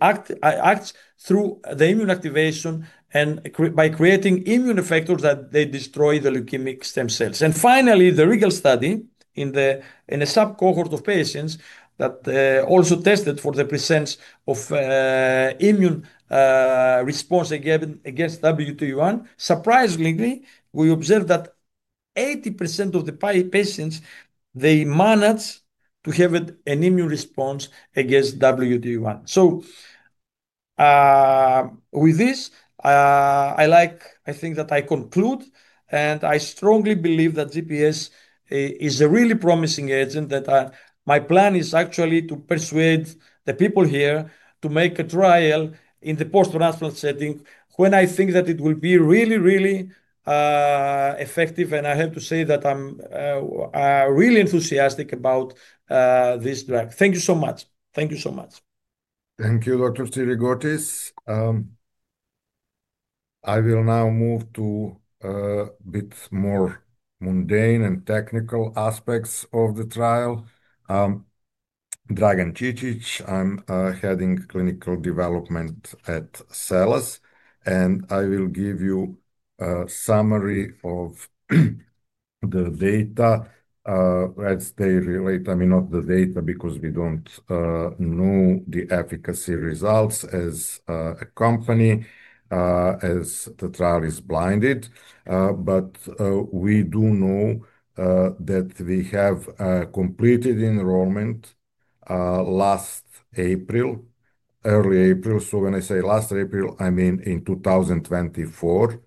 acts through the immune activation and by creating immune effectors that destroy the leukemic stem cells. Finally, the REGAL Study in a subcohort of patients that also tested for the presence of immune response against WT1, surprisingly, we observed that 80% of the patients managed to have an immune response against WT1. With this, I think that I conclude, and I strongly believe that GPS is a really promising agent. My plan is actually to persuade the people here to make a trial in the post-transplant setting when I think that it will be really, really effective. I have to say that I'm really enthusiastic about this drug. Thank you so much. Thank you so much. Thank you, Dr. Tsirigotis. I will now move to a bit more mundane and technical aspects of the trial. Dragan Cvicic, I'm heading clinical development at SELLAS, and I will give you a summary of the data. Let's stay related. I mean, not the data because we don't know the efficacy results as a company, as the trial is blinded. We do know that we have completed enrollment last April, early April. When I say last April, I mean in 2024.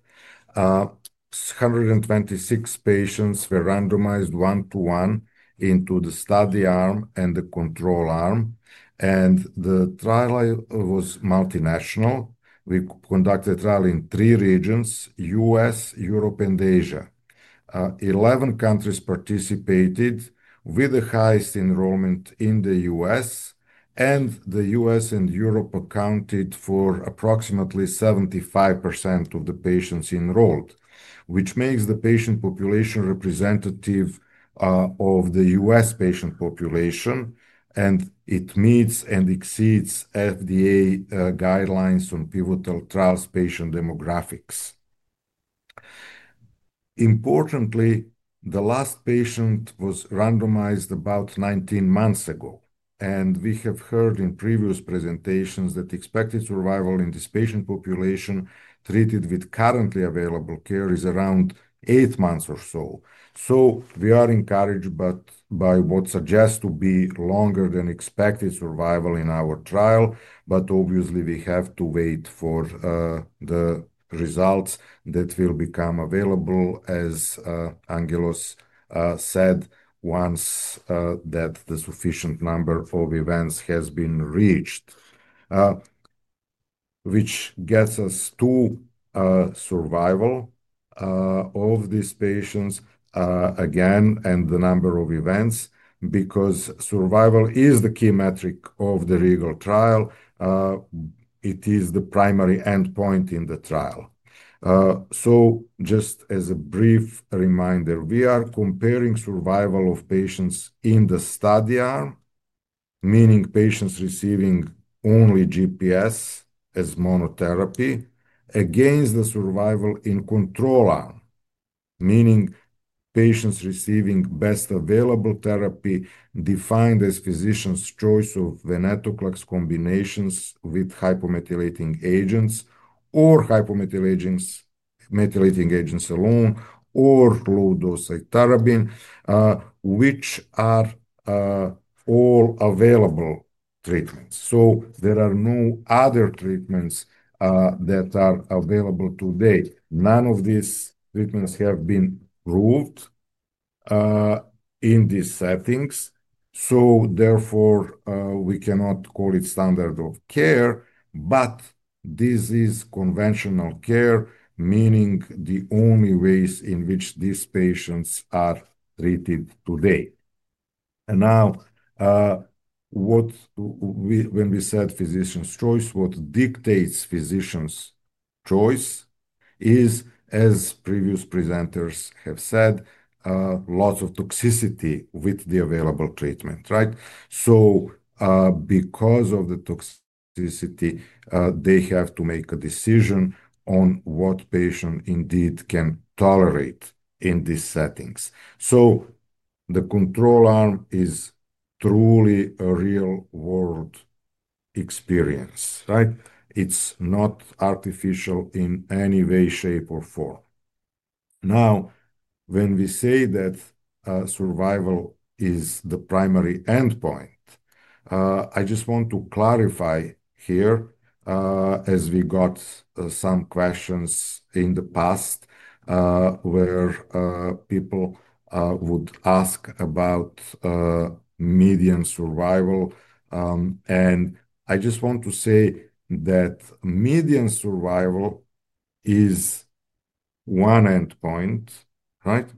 126 patients were randomized one-to-one into the study arm and the control arm. The trial was multinational. We conducted a trial in three regions: U.S., Europe, and Asia. 11 countries participated with the highest enrollment in the U.S., and the U.S. and Europe accounted for approximately 75% of the patients enrolled, which makes the patient population representative of the U.S. patient population. It meets and exceeds FDA guidelines on pivotal trials patient demographics. Importantly, the last patient was randomized about 19 months ago. We have heard in previous presentations that expected survival in this patient population treated with currently available care is around eight months or so. We are encouraged by what suggests to be longer than expected survival in our trial. Obviously, we have to wait for the results that will become available, as Angelos said once, that the sufficient number of events has been reached, which gets us to survival of these patients again and the number of events because survival is the key metric of the REGAL trial. It is the primary endpoint in the trial. Just as a brief reminder, we are comparing survival of patients in the study arm, meaning patients receiving only GPS as monotherapy, against the survival in control arm, meaning patients receiving best available therapy defined as physicians' choice of Venetoclax combinations with hypomethylating agents or hypomethylating agents alone or low-dose cytarabine, which are all available treatments. There are no other treatments that are available today. None of these treatments have been approved in these settings. Therefore, we cannot call it standard of care, but this is conventional care, meaning the only ways in which these patients are treated today. When we said physicians' choice, what dictates physicians' choice is, as previous presenters have said, lots of toxicity with the available treatment, right? Because of the toxicity, they have to make a decision on what patient indeed can tolerate in these settings. The control arm is truly a real-world experience, right? It's not artificial in any way, shape, or form. Now, when we say that survival is the primary endpoint, I just want to clarify here, as we got some questions in the past where people would ask about median survival. I just want to say that median survival is one endpoint, right?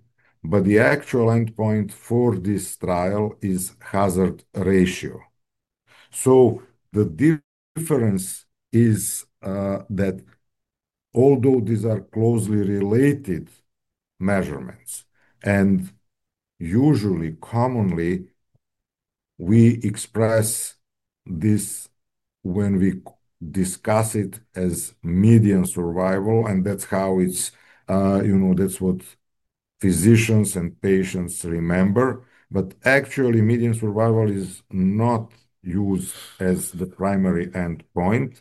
The actual endpoint for this trial is hazard ratio. The difference is that although these are closely related measurements, and usually, commonly, we express this when we discuss it as median survival, and that's how it's, you know, that's what physicians and patients remember, actually, median survival is not used as the primary endpoint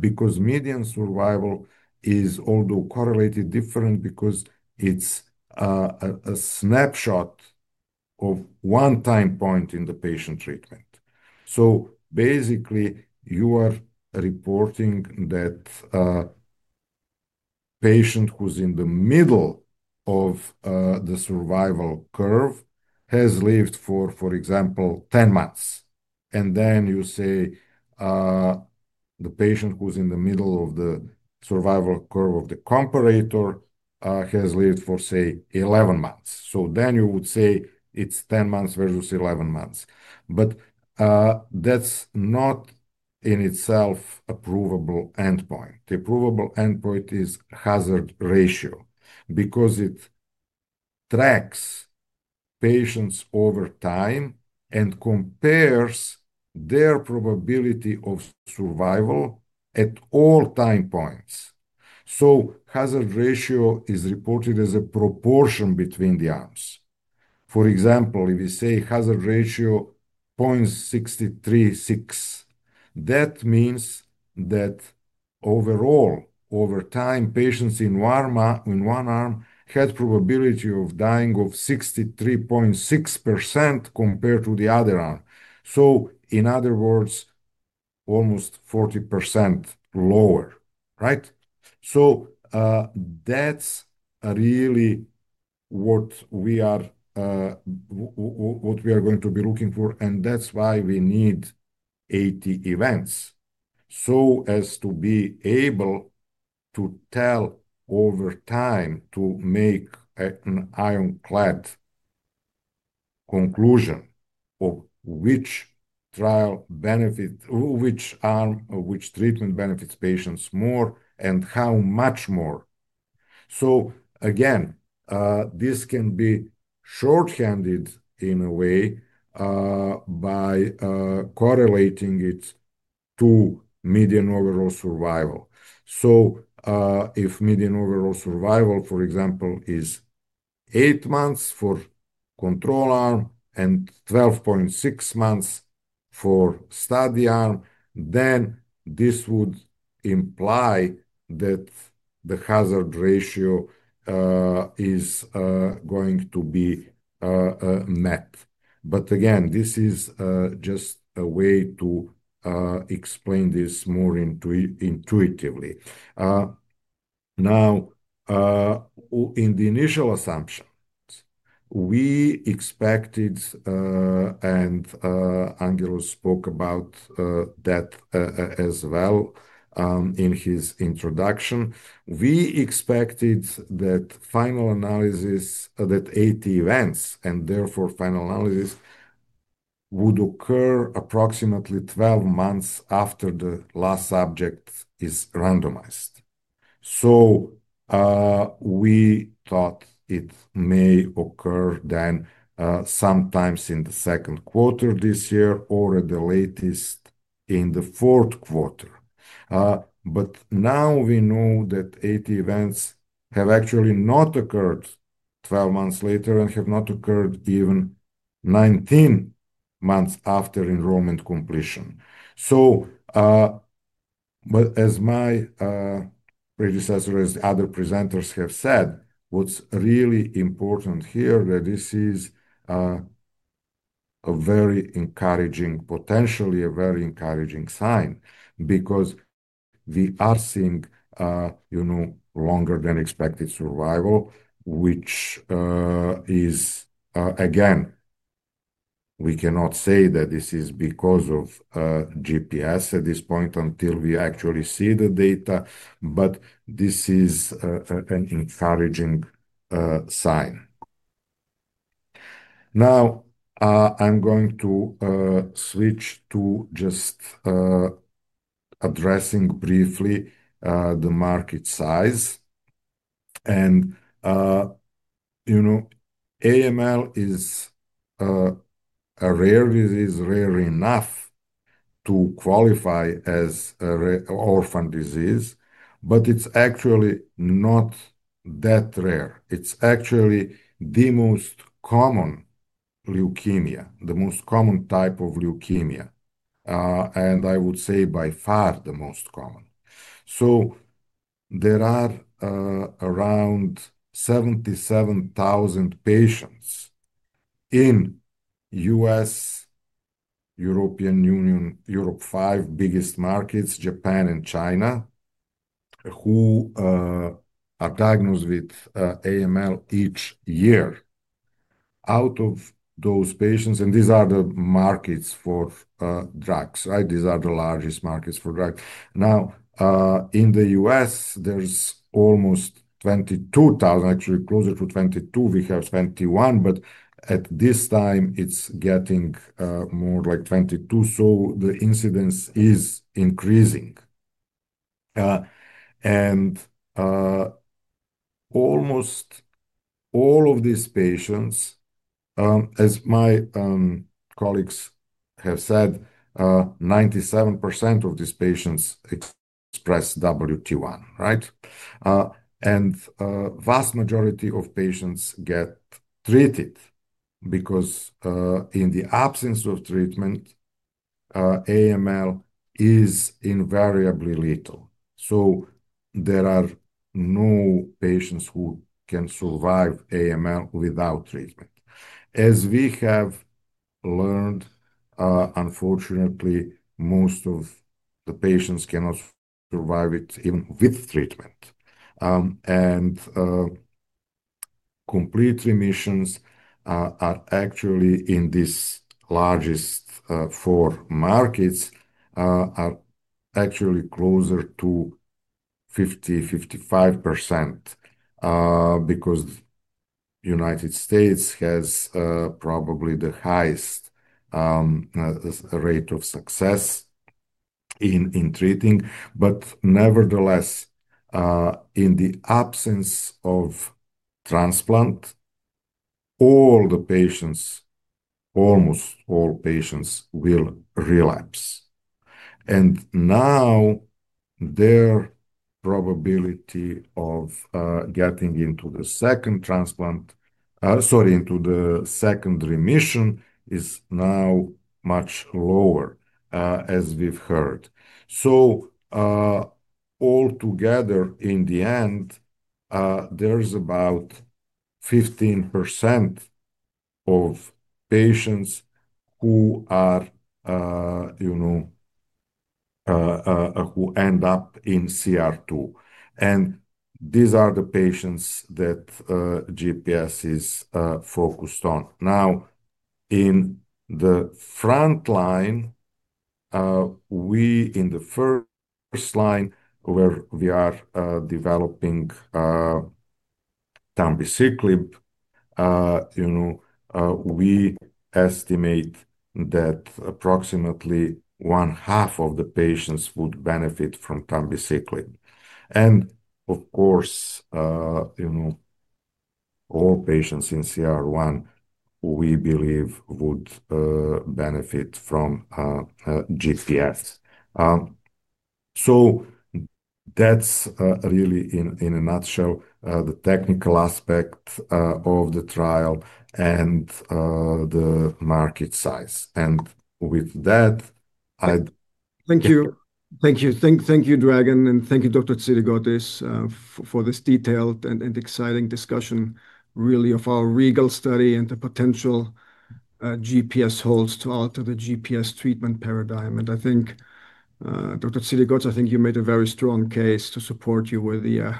because median survival is, although correlated, different because it's a snapshot of one time point in the patient treatment. Basically, you are reporting that a patient who's in the middle of the survival curve has lived for, for example, 10 months. Then you say the patient who's in the middle of the survival curve of the comparator has lived for, say, 11 months. You would say it's 10 months versus 11 months. That's not in itself a provable endpoint. The provable endpoint is hazard ratio because it tracks patients over time and compares their probability of survival at all time points. Hazard ratio is reported as a proportion between the arms. For example, if we say hazard ratio 0.636, that means that overall, over time, patients in one arm had a probability of dying of 63.6% compared to the other arm. In other words, almost 40% lower, right? That's really what we are going to be looking for. That's why we need 80 events so as to be able to tell over time to make an ironclad conclusion of which trial benefits, which arm, which treatment benefits patients more, and how much more. This can be shorthanded in a way by correlating it to median overall survival. If median overall survival, for example, is eight months for control arm and 12.6 months for study arm, then this would imply that the hazard ratio is going to be met. This is just a way to explain this more intuitively. Now, in the initial assumption, we expected, and Angelos spoke about that as well in his introduction, we expected that final analysis, that 80 events, and therefore final analysis would occur approximately 12 months after the last subject is randomized. We thought it may occur then sometimes in the second quarter this year or at the latest in the fourth quarter. Now we know that 80 events have actually not occurred 12 months later and have not occurred even 19 months after enrollment completion. As my predecessor and other presenters have said, what's really important here is that this is a very encouraging, potentially a very encouraging sign because we are seeing, you know, longer than expected survival, which is, again, we cannot say that this is because of GPS at this point until we actually see the data. This is an encouraging sign. Now, I'm going to switch to just addressing briefly the market size. AML is rare. It is rare enough to qualify as an orphan disease, but it's actually not that rare. It's actually the most common leukemia, the most common type of leukemia, and I would say by far the most common. There are around 77,000 patients in the U.S., European Union, Europe's five biggest markets, Japan, and China who are diagnosed with AML each year. Out of those patients, and these are the markets for drugs, right? These are the largest markets for drugs. In the U.S., there's almost 22,000, actually closer to 22. We have 21, but at this time, it's getting more like 22. The incidence is increasing. Almost all of these patients, as my colleagues have said, 97% of these patients express WT1, right? A vast majority of patients get treated because in the absence of treatment, AML is invariably lethal. There are no patients who can survive AML without treatment. As we have learned, unfortunately, most of the patients cannot survive it even with treatment. Complete remissions are actually in these largest four markets are actually closer to 50%-55% because the United States has probably the highest rate of success in treating. Nevertheless, in the absence of transplant, all the patients, almost all patients will relapse. Now their probability of getting into the second transplant, sorry, into the second remission is now much lower, as we've heard. Altogether, in the end, there's about 15% of patients who end up in CR2. These are the patients that GPS is focused on. Now, in the frontline, in the first line where we are developing tambiciclib, we estimate that approximately 50% of the patients would benefit from tambiciclib. Of course, all patients in CR1, we believe, would benefit from GPS. That's really, in a nutshell, the technical aspect of the trial and the market size. With that, I thank you. Thank you. Thank you, Dragan, and thank you, Dr. Tsirigotis, for this detailed and exciting discussion, really, of our REGAL Study and the potential GPS holds to alter the GPS treatment paradigm. I think, Dr. Tsirigotis, you made a very strong case to support you with the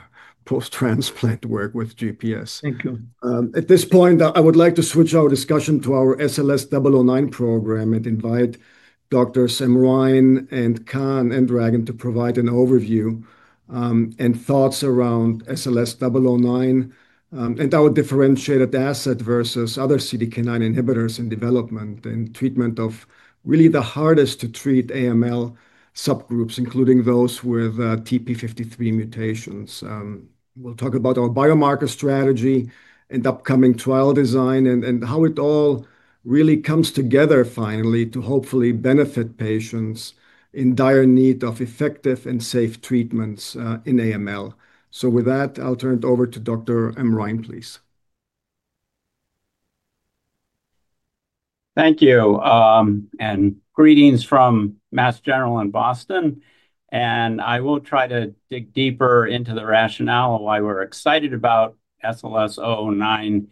post-transplant work with GPS. Thank you. At this point, I would like to switch our discussion to our SLS009 program and invite Dr. Sharif Khan and Dragan to provide an overview and thoughts around SLS009 and our differentiated asset versus other CDK9 inhibitors in development and treatment of really the hardest-to-treat AML subgroups, including those with TP53 mutations. We'll talk about our biomarker strategy and upcoming trial design and how it all really comes together finally to hopefully benefit patients in dire need of effective and safe treatments in AML. With that, I'll turn it over to Dr. M. Rein, please. Thank you, and greetings from Massachusetts General Hospital in Boston. I will try to dig deeper into the rationale of why we're excited about SLS009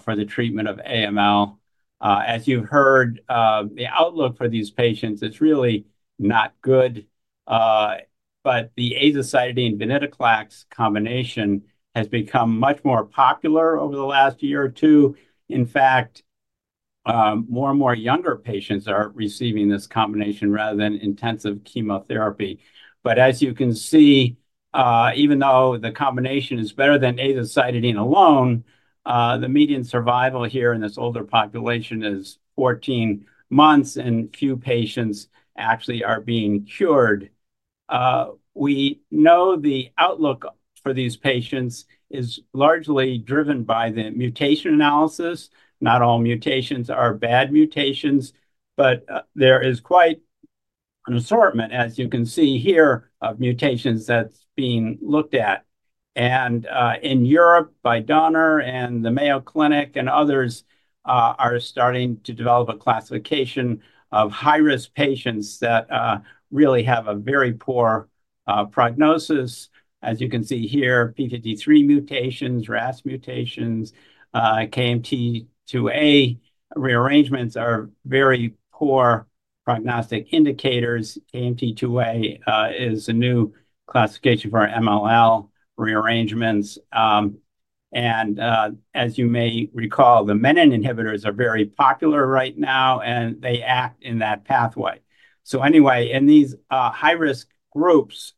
for the treatment of acute myeloid leukemia. As you've heard, the outlook for these patients is really not good. The azacitidine-Venetoclax combination has become much more popular over the last year or two. In fact, more and more younger patients are receiving this combination rather than intensive chemotherapy. As you can see, even though the combination is better than azacitidine alone, the median survival here in this older population is 14 months, and few patients actually are being cured. We know the outlook for these patients is largely driven by the mutation analysis. Not all mutations are bad mutations, but there is quite an assortment, as you can see here, of mutations that's being looked at. In Europe, by Dohner and the Mayo Clinic and others, are starting to develop a classification of high-risk patients that really have a very poor prognosis. As you can see here, p53 mutations, RAS mutations, KMT2A rearrangements are very poor prognostic indicators. KMT2A is a new classification for MLL rearrangements. As you may recall, the menin inhibitors are very popular right now, and they act in that pathway. In these high-risk groups,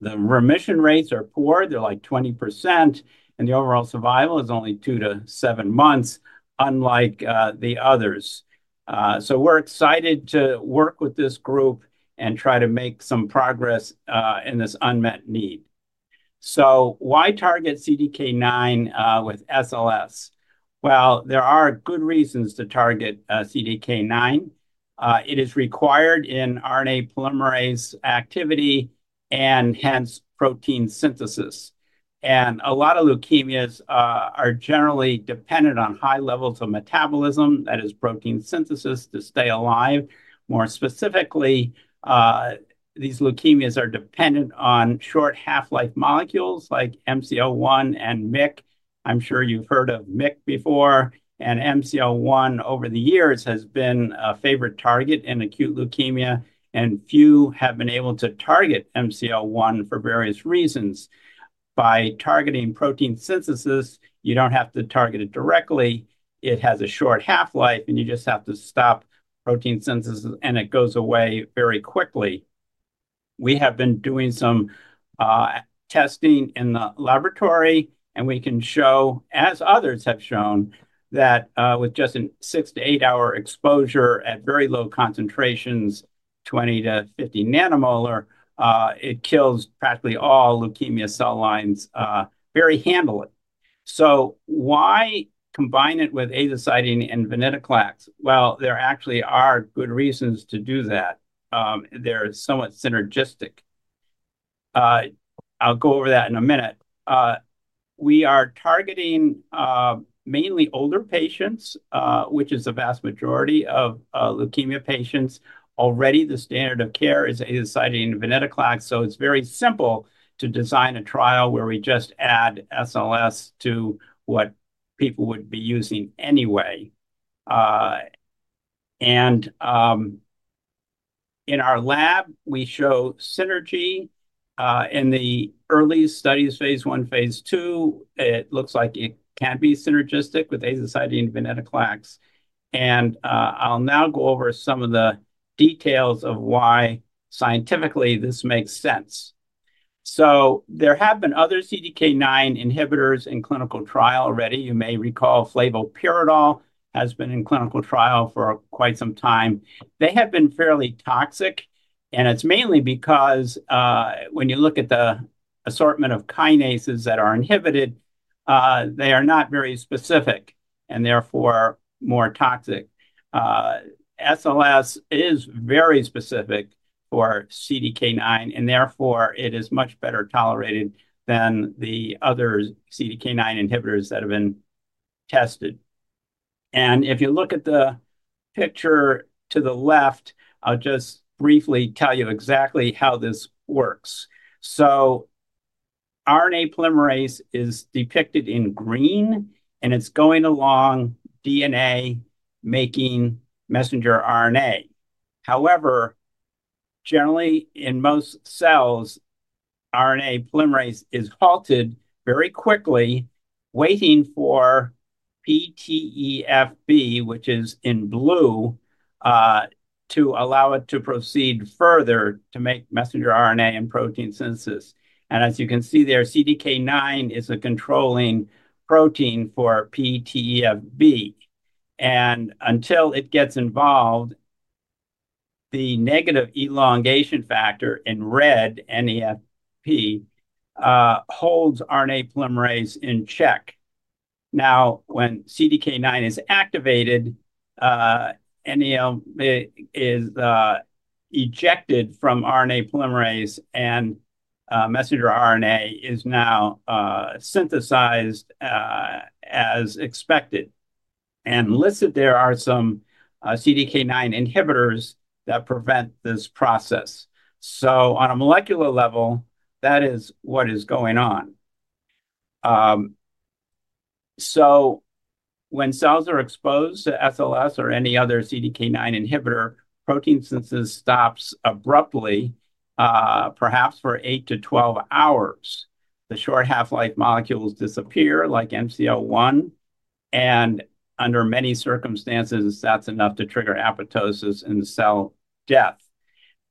the remission rates are poor. They're like 20%, and the overall survival is only two to seven months, unlike the others. We're excited to work with this group and try to make some progress in this unmet need. Why target CDK9 with SLS? There are good reasons to target CDK9. It is required in RNA polymerase activity and hence protein synthesis. A lot of leukemias are generally dependent on high levels of metabolism, that is, protein synthesis, to stay alive. More specifically, these leukemias are dependent on short half-life molecules like MCL1 and MIC. I'm sure you've heard of MYC before. MCL1, over the years, has been a favorite target in acute leukemia, and few have been able to target MCL1 for various reasons. By targeting protein synthesis, you don't have to target it directly. It has a short half-life, and you just have to stop protein synthesis, and it goes away very quickly. We have been doing some testing in the laboratory, and we can show, as others have shown, that with just a six to eight-hour exposure at very low concentrations, 20 to 50 nanomolar, it kills practically all leukemia cell lines very handily. Why combine it with azacitidine and Venetoclax? There actually are good reasons to do that. They're somewhat synergistic. I'll go over that in a minute. We are targeting mainly older patients, which is the vast majority of leukemia patients. Already, the standard of care is azacitidine-Venetoclax, so it's very simple to design a trial where we just add SLS009 to what people would be using anyway. In our lab, we show synergy in the early studies, phase I, phase II. It looks like it can be synergistic with azacitidine-Venetoclax. I'll now go over some of the details of why scientifically this makes sense. There have been other CDK9 inhibitors in clinical trial already. You may recall flavopiridol has been in clinical trial for quite some time. They have been fairly toxic, and it's mainly because when you look at the assortment of kinases that are inhibited, they are not very specific and therefore more toxic. SLS009 is very specific for CDK9, and therefore it is much better tolerated than the other CDK9 inhibitors that have been tested. If you look at the picture to the left, I'll just briefly tell you exactly how this works. RNA polymerase is depicted in green, and it's going along DNA making messenger RNA. However, generally in most cells, RNA polymerase is halted very quickly, waiting for PTEFB, which is in blue, to allow it to proceed further to make messenger RNA and protein synthesis. As you can see there, CDK9 is a controlling protein for PTEFB. Until it gets involved, the negative elongation factor in red, NELF, holds RNA polymerase in check. When CDK9 is activated, NELF is ejected from RNA polymerase, and messenger RNA is now synthesized as expected. Listed there are some CDK9 inhibitors that prevent this process. On a molecular level, that is what is going on. When cells are exposed to SLS009 or any other CDK9 inhibitor, protein synthesis stops abruptly, perhaps for eight to 12 hours. The short half-life molecules disappear, like MCL1, and under many circumstances, that's enough to trigger apoptosis and cell death.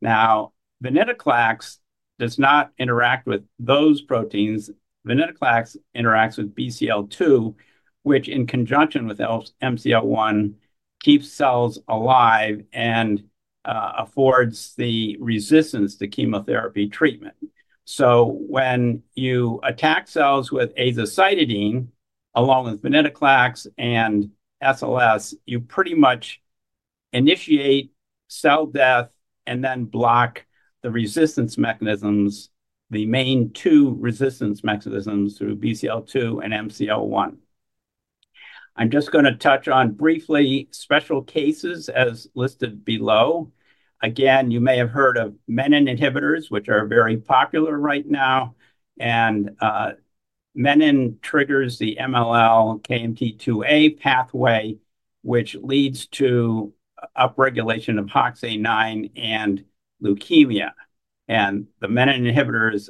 Venetoclax does not interact with those proteins. Venetoclax interacts with BCL2, which in conjunction with MCL1 keeps cells alive and affords the resistance to chemotherapy treatment. When you attack cells with azacitidine along with Venetoclax and SLS009, you pretty much initiate cell death and then block the resistance mechanisms, the main two resistance mechanisms through BCL2 and MCL1. I'm just going to touch on briefly special cases as listed below. You may have heard of menin inhibitors, which are very popular right now. Menin triggers the MLL KMT2A pathway, which leads to upregulation of HOXA9 and leukemia. The menin inhibitors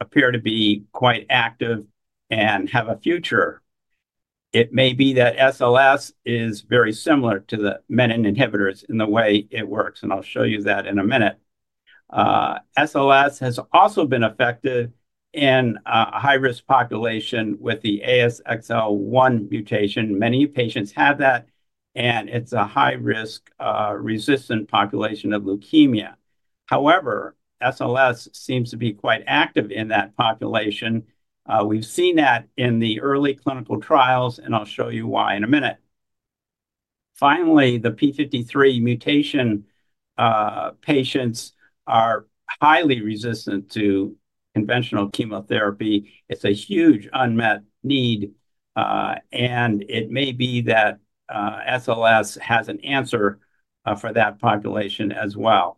appear to be quite active and have a future. It may be that SLS is very similar to the menin inhibitors in the way it works, and I'll show you that in a minute. SLS has also been effective in a high-risk population with the ASXL1 mutation. Many patients have that, and it's a high-risk resistant population of leukemia. However, SLS seems to be quite active in that population. We've seen that in the early clinical trials, and I'll show you why in a minute. Finally, the p53 mutation patients are highly resistant to conventional chemotherapy. It's a huge unmet need, and it may be that SLS has an answer for that population as well.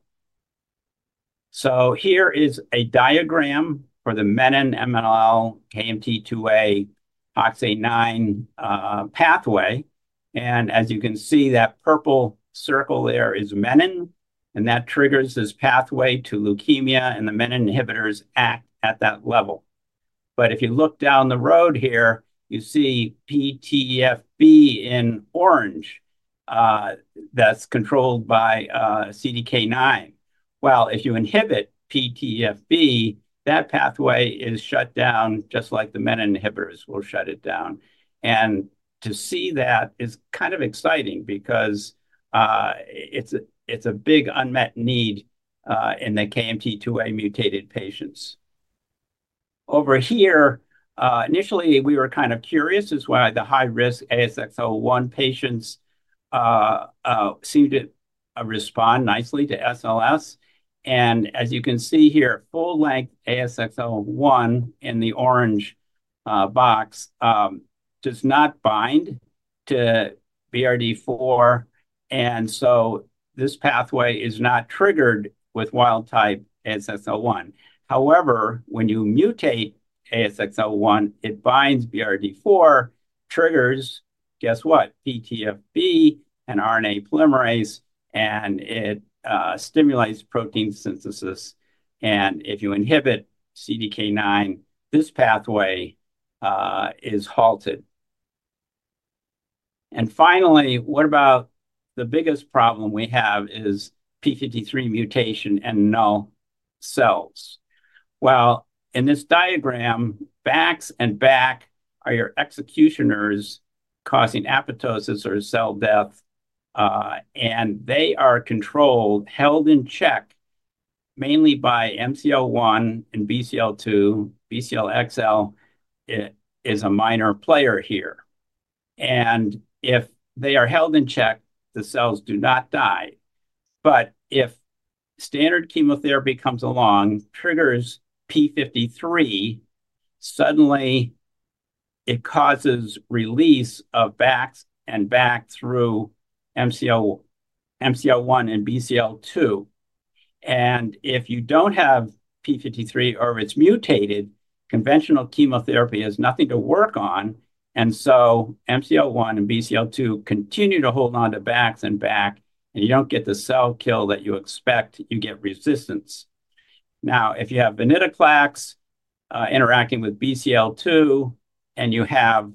Here is a diagram for the menin MLL KMT2A HOXA9 pathway. As you can see, that purple circle there is menin, and that triggers this pathway to leukemia, and the menin inhibitors act at that level. If you look down the road here, you see PTEFB in orange that's controlled by CDK9. If you inhibit PTEFB, that pathway is shut down just like the menin inhibitors will shut it down. To see that is kind of exciting because it's a big unmet need in the KMT2A mutated patients. Initially, we were kind of curious as to why the high-risk ASXL1 patients seem to respond nicely to SLS. As you can see here, full-length ASXL1 in the orange box does not bind to BRD4, and so this pathway is not triggered with wild-type ASXL1. However, when you mutate ASXL1, it binds BRD4, triggers, guess what, PTEFB and RNA polymerase, and it stimulates protein synthesis. If you inhibit CDK9, this pathway is halted. The biggest problem we have is p53 mutation and no cells. In this diagram, BAX and BAK are your executioners causing apoptosis or cell death, and they are controlled, held in check mainly by MCL1 and BCL2. BCLXL is a minor player here. If they are held in check, the cells do not die. If standard chemotherapy comes along, triggers p53, suddenly it causes release of BAX and BAK through MCL1 and BCL2. If you don't have p53 or if it's mutated, conventional chemotherapy has nothing to work on. MCL1 and BCL2 continue to hold on to BAX and BAK, and you don't get the cell kill that you expect. You get resistance. Now, if you have Venetoclax interacting with BCL2 and you have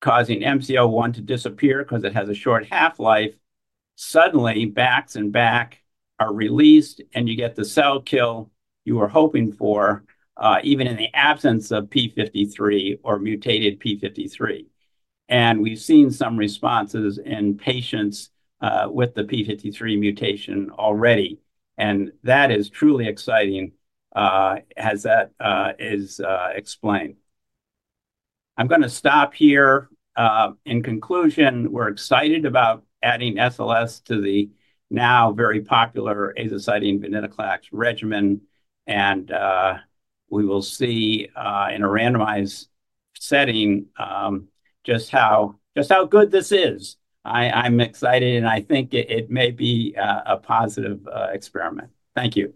SLS009 causing MCL1 to disappear because it has a short half-life, suddenly BAX and BAK are released and you get the cell kill you were hoping for, even in the absence of p53 or mutated p53. We've seen some responses in patients with the p53 mutation already. That is truly exciting, as that is explained. I'm going to stop here. In conclusion, we're excited about adding SLS009 to the now very popular azacitidine-Venetoclax regimen. We will see in a randomized setting just how good this is. I'm excited, and I think it may be a positive experiment. Thank you.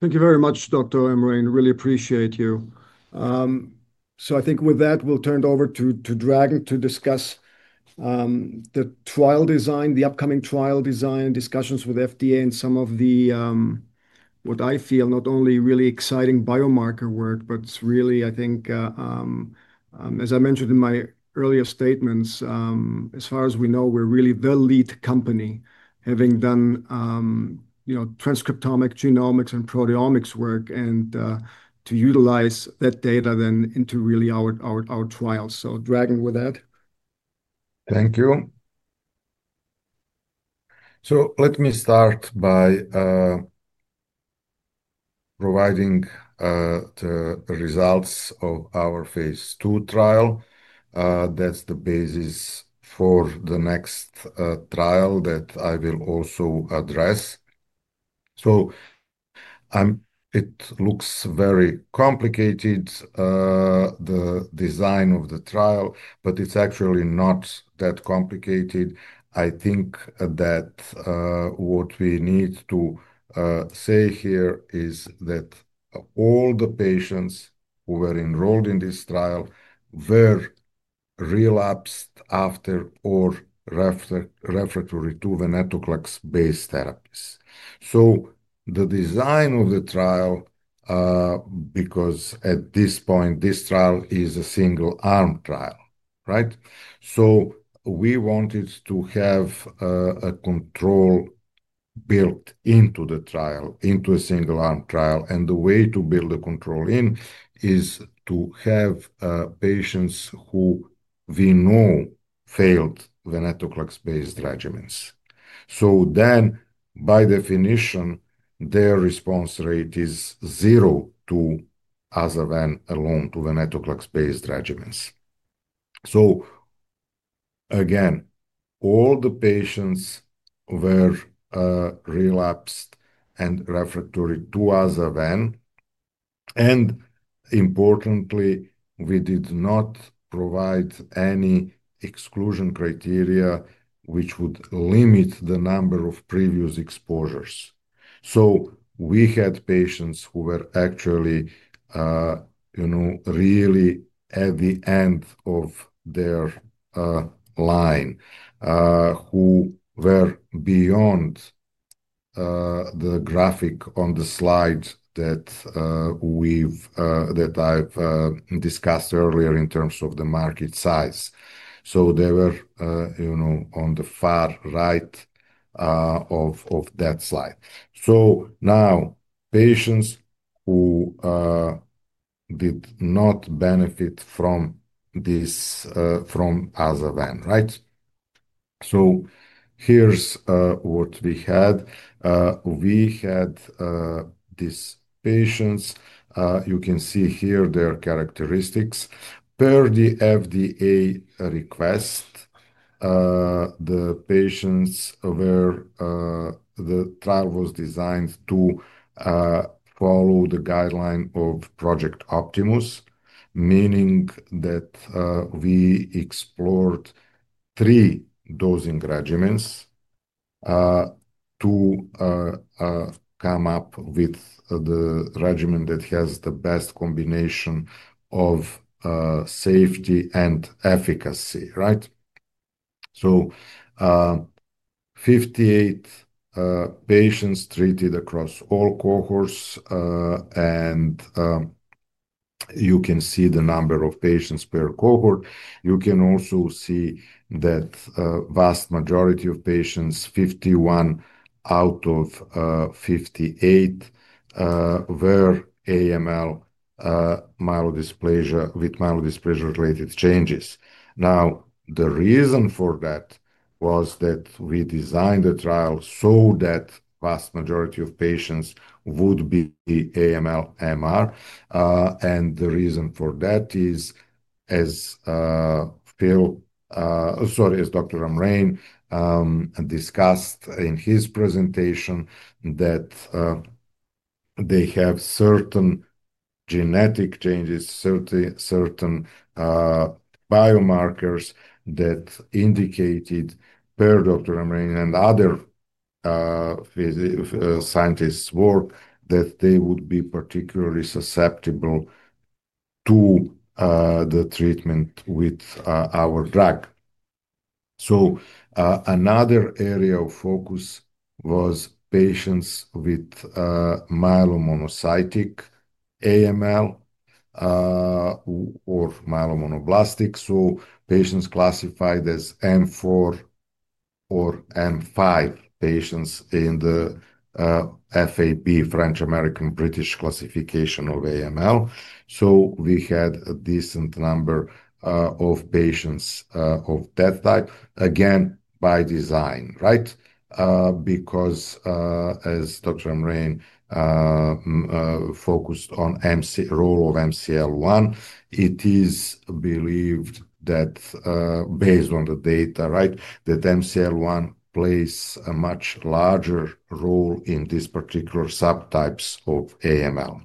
Thank you very much, Dr. M. Rein. Really appreciate you. I think with that, we'll turn it over to Dragan to discuss the trial design, the upcoming trial design, and discussions with the FDA and some of the, what I feel, not only really exciting biomarker work, but it's really, I think, as I mentioned in my earlier statements, as far as we know, we're really the lead company having done transcriptomic genomics and proteomics work and to utilize that data then into really our trials. Dragan, with that. Thank you. Let me start by providing the results of our phase II trial. That's the basis for the next trial that I will also address. It looks very complicated, the design of the trial, but it's actually not that complicated. I think that what we need to say here is that all the patients who were enrolled in this trial were relapsed after or refractory to Venetoclax-based therapies. The design of the trial, because at this point, this trial is a single-arm trial, right? We wanted to have a control built into the trial, into a single-arm trial. The way to build a control in is to have patients who we know failed Venetoclax-based regimens. By definition, their response rate is zero to Azavan alone to Venetoclax-based regimens. Again, all the patients were relapsed and refractory to Azavan. Importantly, we did not provide any exclusion criteria which would limit the number of previous exposures. We had patients who were actually, you know, really at the end of their line, who were beyond the graphic on the slides that I've discussed earlier in terms of the market size. They were, you know, on the far right of that slide. Now patients who did not benefit from Azavan, right? Here's what we had. We had these patients. You can see here their characteristics. Per the FDA request, the patients were the trial was designed to follow the guideline of Project Optimus, meaning that we explored three dosing regimens to come up with the regimen that has the best combination of safety and efficacy, right? 58 patients treated across all cohorts, and you can see the number of patients per cohort. You can also see that the vast majority of patients, 51 out of 58, were AML myelodysplasia with myelodysplasia-related changes. The reason for that was that we designed the trial so that the vast majority of patients would be AML-MRC. The reason for that is, as Dr. M. Rein discussed in his presentation, that they have certain genetic changes, certain biomarkers that indicated, per Dr. M. Rein and other scientists' work, that they would be particularly susceptible to the treatment with our drug. Another area of focus was patients with myelomonocytic AML or myelomonoblastic. Patients classified as M4 or M5 patients in the French American British Classification of AML. We had a decent number of patients of that type, again, by design, right? Because, as Dr. M. Rein focused on the role of MCL1, it is believed that, based on the data, right, that MCL1 plays a much larger role in these particular subtypes of AML.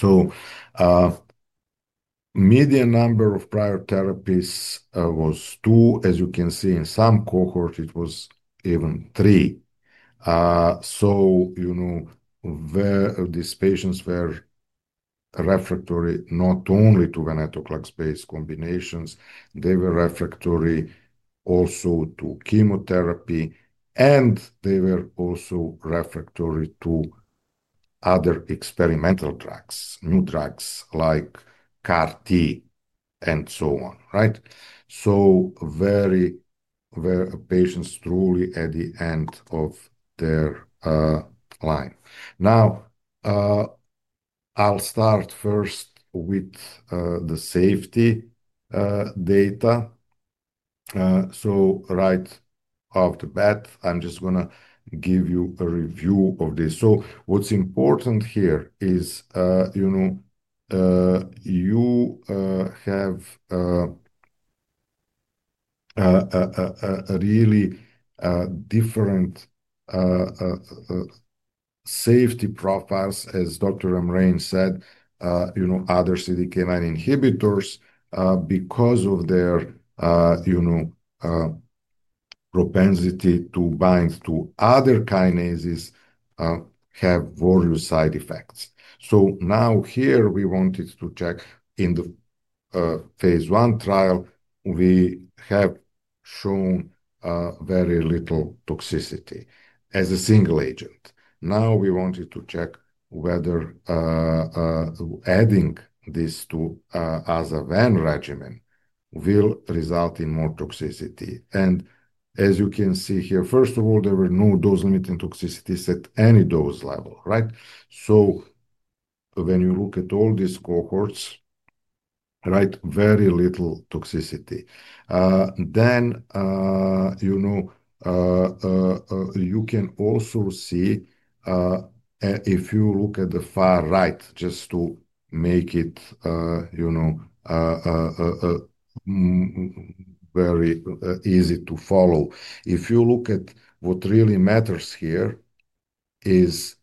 The median number of prior therapies was two. As you can see, in some cohorts, it was even three. You know these patients were refractory not only to Venetoclax-based combinations. They were refractory also to chemotherapy, and they were also refractory to other experimental drugs, new drugs like CAR-T and so on, right? Very, very patients truly at the end of their line. Now, I'll start first with the safety data. Right off the bat, I'm just going to give you a review of this. What's important here is you know, you have really different safety profiles, as Dr. M. Rein said. Other CDK9 inhibitors, because of their propensity to bind to other kinases, have various side effects. Now here we wanted to check in the phase I trial. We have shown very little toxicity as a single agent. Now we wanted to check whether adding this to Azavan regimen will result in more toxicity. As you can see here, first of all, there were no dose-limiting toxicities at any dose level, right? When you look at all these cohorts, right, very little toxicity. You can also see, if you look at the far right, just to make it very easy to follow. If you look at what really matters here is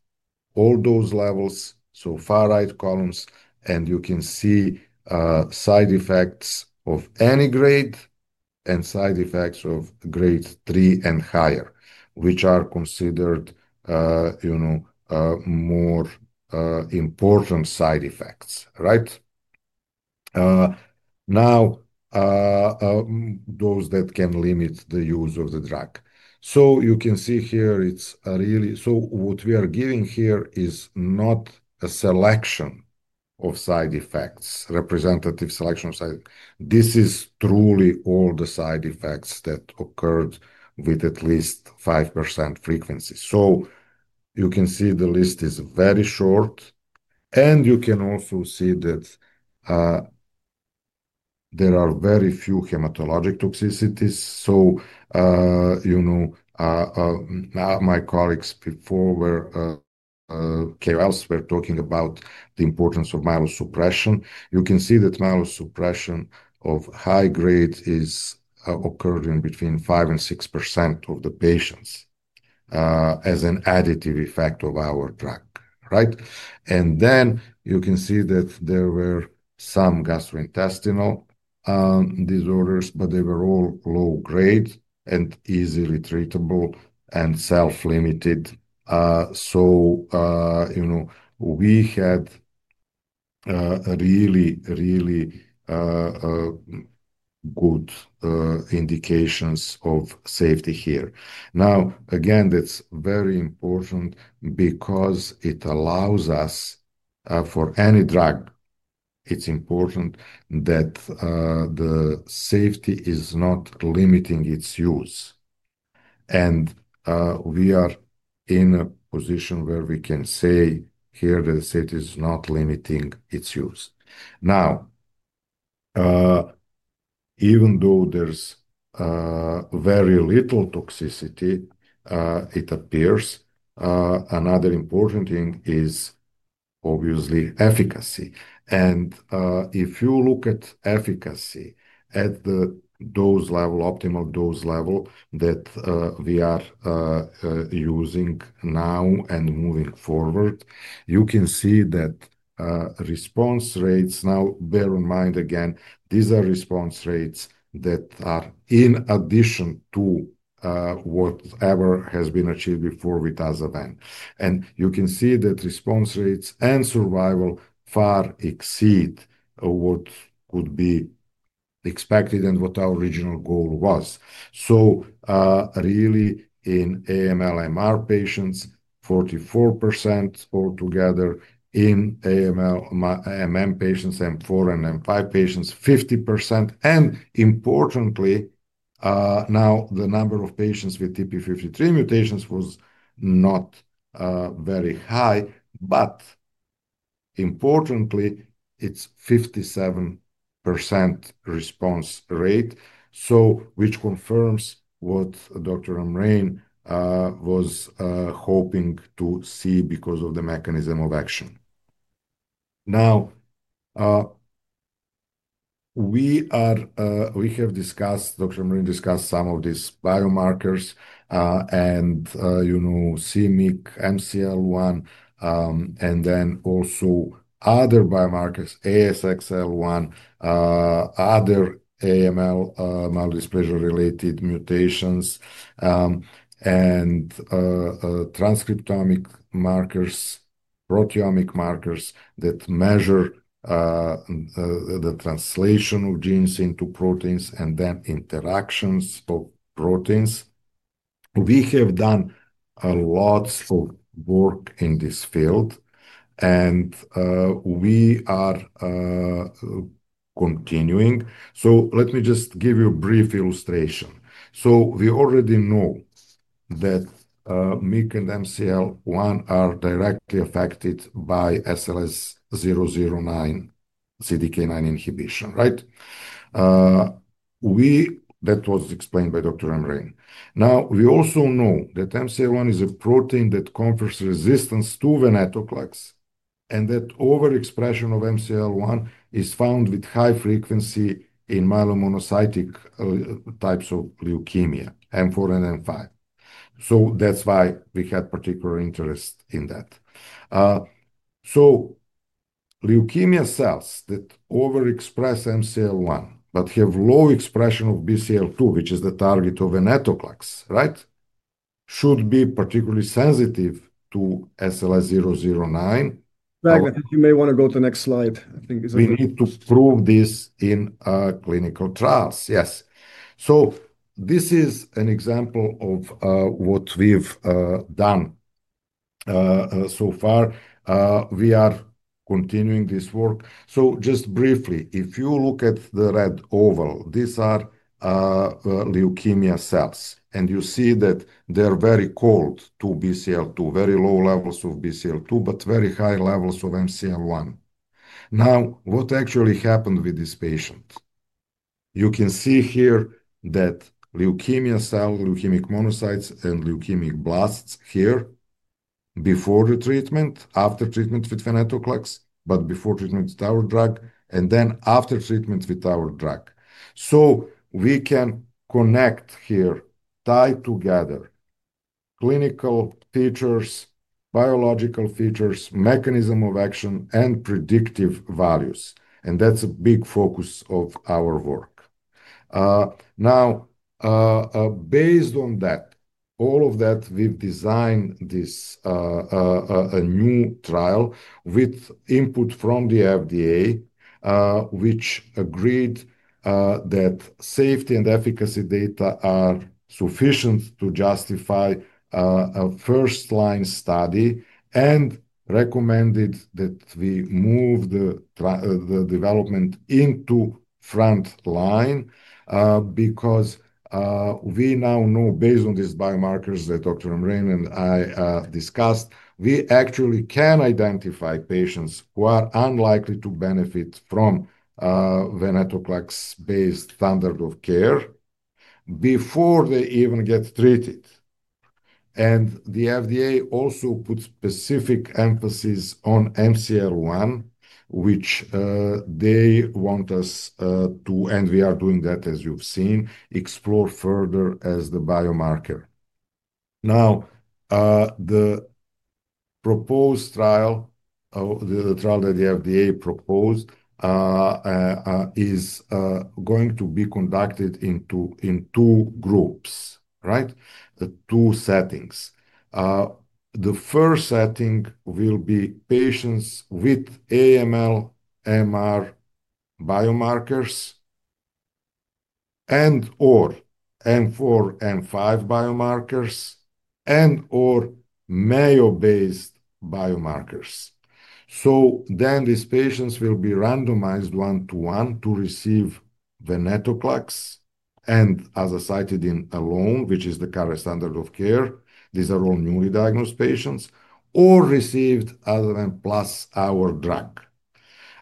all those levels, far right columns, and you can see side effects of any grade and side effects of grade three and higher, which are considered more important side effects, right? Those that can limit the use of the drug. You can see here, it's really, what we are giving here is not a selection of side effects, representative selection of side effects. This is truly all the side effects that occurred with at least 5% frequency. You can see the list is very short, and you can also see that there are very few hematologic toxicities. My colleagues before were key opinion leaders were talking about the importance of myelosuppression. You can see that myelosuppression of high grade is occurring between 5% and 6% of the patients as an additive effect of our drug, right? You can see that there were some gastrointestinal disorders, but they were all low grade and easily treatable and self-limited. We had really, really good indications of safety here. That's very important because it allows us, for any drug, it's important that the safety is not limiting its use. We are in a position where we can say here that the safety is not limiting its use. Now, even though there's very little toxicity, it appears another important thing is obviously efficacy. If you look at efficacy at the dose level, optimal dose level that we are using now and moving forward, you can see that response rates. Bear in mind again, these are response rates that are in addition to whatever has been achieved before with Azavan. You can see that response rates and survival far exceed what could be expected and what our original goal was. Really in AML-MRC patients, 44% altogether. In AMM patients, M4 and M5 patients, 50%. Importantly, now the number of patients with TP53 mutations was not very high, but importantly, it's 57% response rate, which confirms what Dr. M. Rein was hoping to see because of the mechanism of action. We have discussed, Dr. M. Rein discussed some of these biomarkers and c-Myc, MCL1, and then also other biomarkers, ASXL1, other AML myelodysplasia-related mutations, and transcriptomic markers, proteomic markers that measure the translation of genes into proteins and then interactions of proteins. We have done lots of work in this field, and we are continuing. Let me just give you a brief illustration. We already know that MYC and MCL1 are directly affected by SLS009 CDK9 inhibition, right? That was explained by Dr. M. Rein. We also know that MCL1 is a protein that confers resistance to Venetoclax and that overexpression of MCL1 is found with high frequency in myelomonocytic types of leukemia, M4 and M5. That's why we had particular interest in that. Leukemia cells that overexpress MCL1 but have low expression of BCL2, which is the target of Venetoclax, right, should be particularly sensitive to SLS009. Dragan, I think you may want to go to the next slide. I think it's okay. We need to prove this in clinical trials, yes. This is an example of what we've done so far. We are continuing this work. Just briefly, if you look at the red oval, these are leukemia cells, and you see that they're very cold to BCL2, very low levels of BCL2, but very high levels of MCL1. Now, what actually happened with this patient? You can see here that leukemia cell, leukemic monocytes, and leukemic blasts here before the treatment, after treatment with Venetoclax, but before treatment with our drug, and then after treatment with our drug. We can connect here, tie together clinical features, biological features, mechanism of action, and predictive values. That's a big focus of our work. Now, based on that, all of that, we've designed this new trial with input from the FDA, which agreed that safety and efficacy data are sufficient to justify a first-line study and recommended that we move the development into frontline because we now know, based on these biomarkers that Dr. M. Rein and I discussed, we actually can identify patients who are unlikely to benefit from Venetoclax-based standard of care before they even get treated. The FDA also puts specific emphasis on MCL1, which they want us to, and we are doing that, as you've seen, explore further as the biomarker. The proposed trial, the trial that the FDA proposed, is going to be conducted in two groups, right? Two settings. The first setting will be patients with AML-MRC biomarkers and/or M4 and M5 biomarkers and/or Mayo based biomarkers. These patients will be randomized one to one to receive Venetoclax and azacitidine alone, which is the current standard of care. These are all newly diagnosed patients or received other than plus our drug.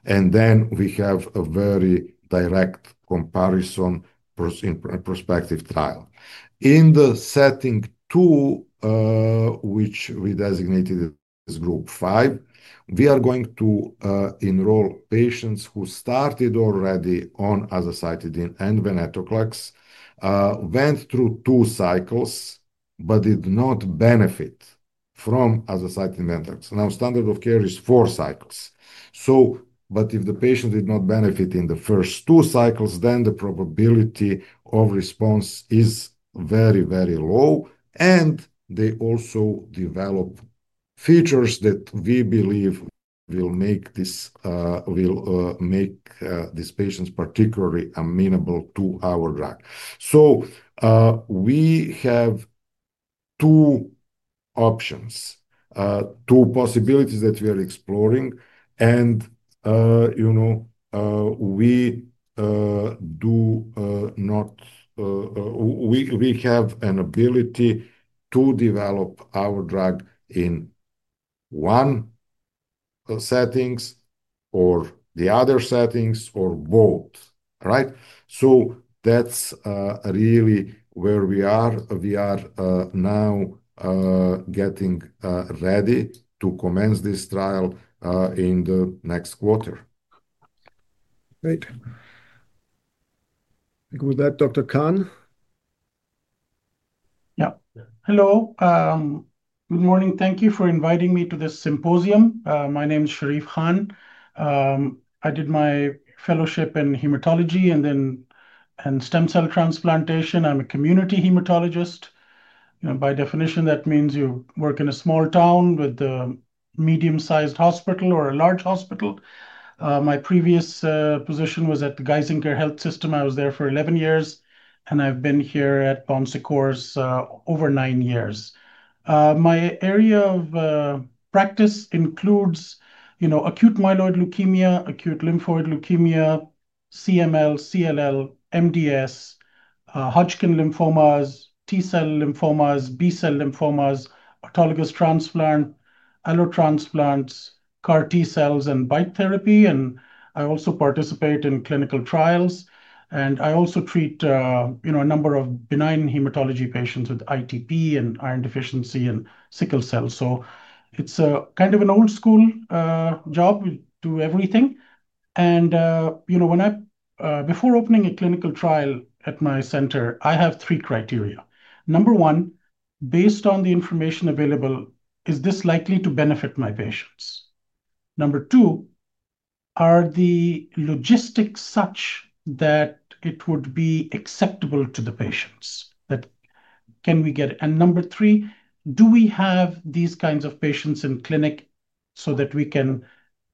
Then we have a very direct comparison prospective trial. In the setting two, which we designated as group five, we are going to enroll patients who started already on azacitidine and Venetoclax, went through two cycles, but did not benefit from azacitidine and Venetoclax. Standard of care is four cycles. If the patient did not benefit in the first two cycles, then the probability of response is very, very low. They also develop features that we believe will make this patient particularly amenable to our drug. We have two options, two possibilities that we are exploring. We have an ability to develop our drug in one settings or the other settings or both, right? That's really where we are. We are now getting ready to commence this trial in the next quarter. Great. I think with that, Dr. Khan? Yeah. Hello. Good morning. Thank you for inviting me to this symposium. My name is Sharif Khan. I did my fellowship in hematology and then in stem cell transplantation. I'm a community hematologist. By definition, that means you work in a small town with a medium-sized hospital or a large hospital. My previous position was at the Geisinger Health System. I was there for 11 years, and I've been here at Bon Secours over nine years. My area of practice includes acute myeloid leukemia, acute lymphoid leukemia, CML, CLL, MDS, Hodgkin lymphomas, T cell lymphomas, B cell lymphomas, autologous transplant, allotransplants, CAR T cells, and BiTE therapy. I also participate in clinical trials. I also treat a number of benign hematology patients with ITP and iron deficiency and sickle cell. It's a kind of an old school job. We do everything. Before opening a clinical trial at my center, I have three criteria. Number one, based on the information available, is this likely to benefit my patients? Number two, are the logistics such that it would be acceptable to the patients? Can we get it? Number three, do we have these kinds of patients in clinic so that we can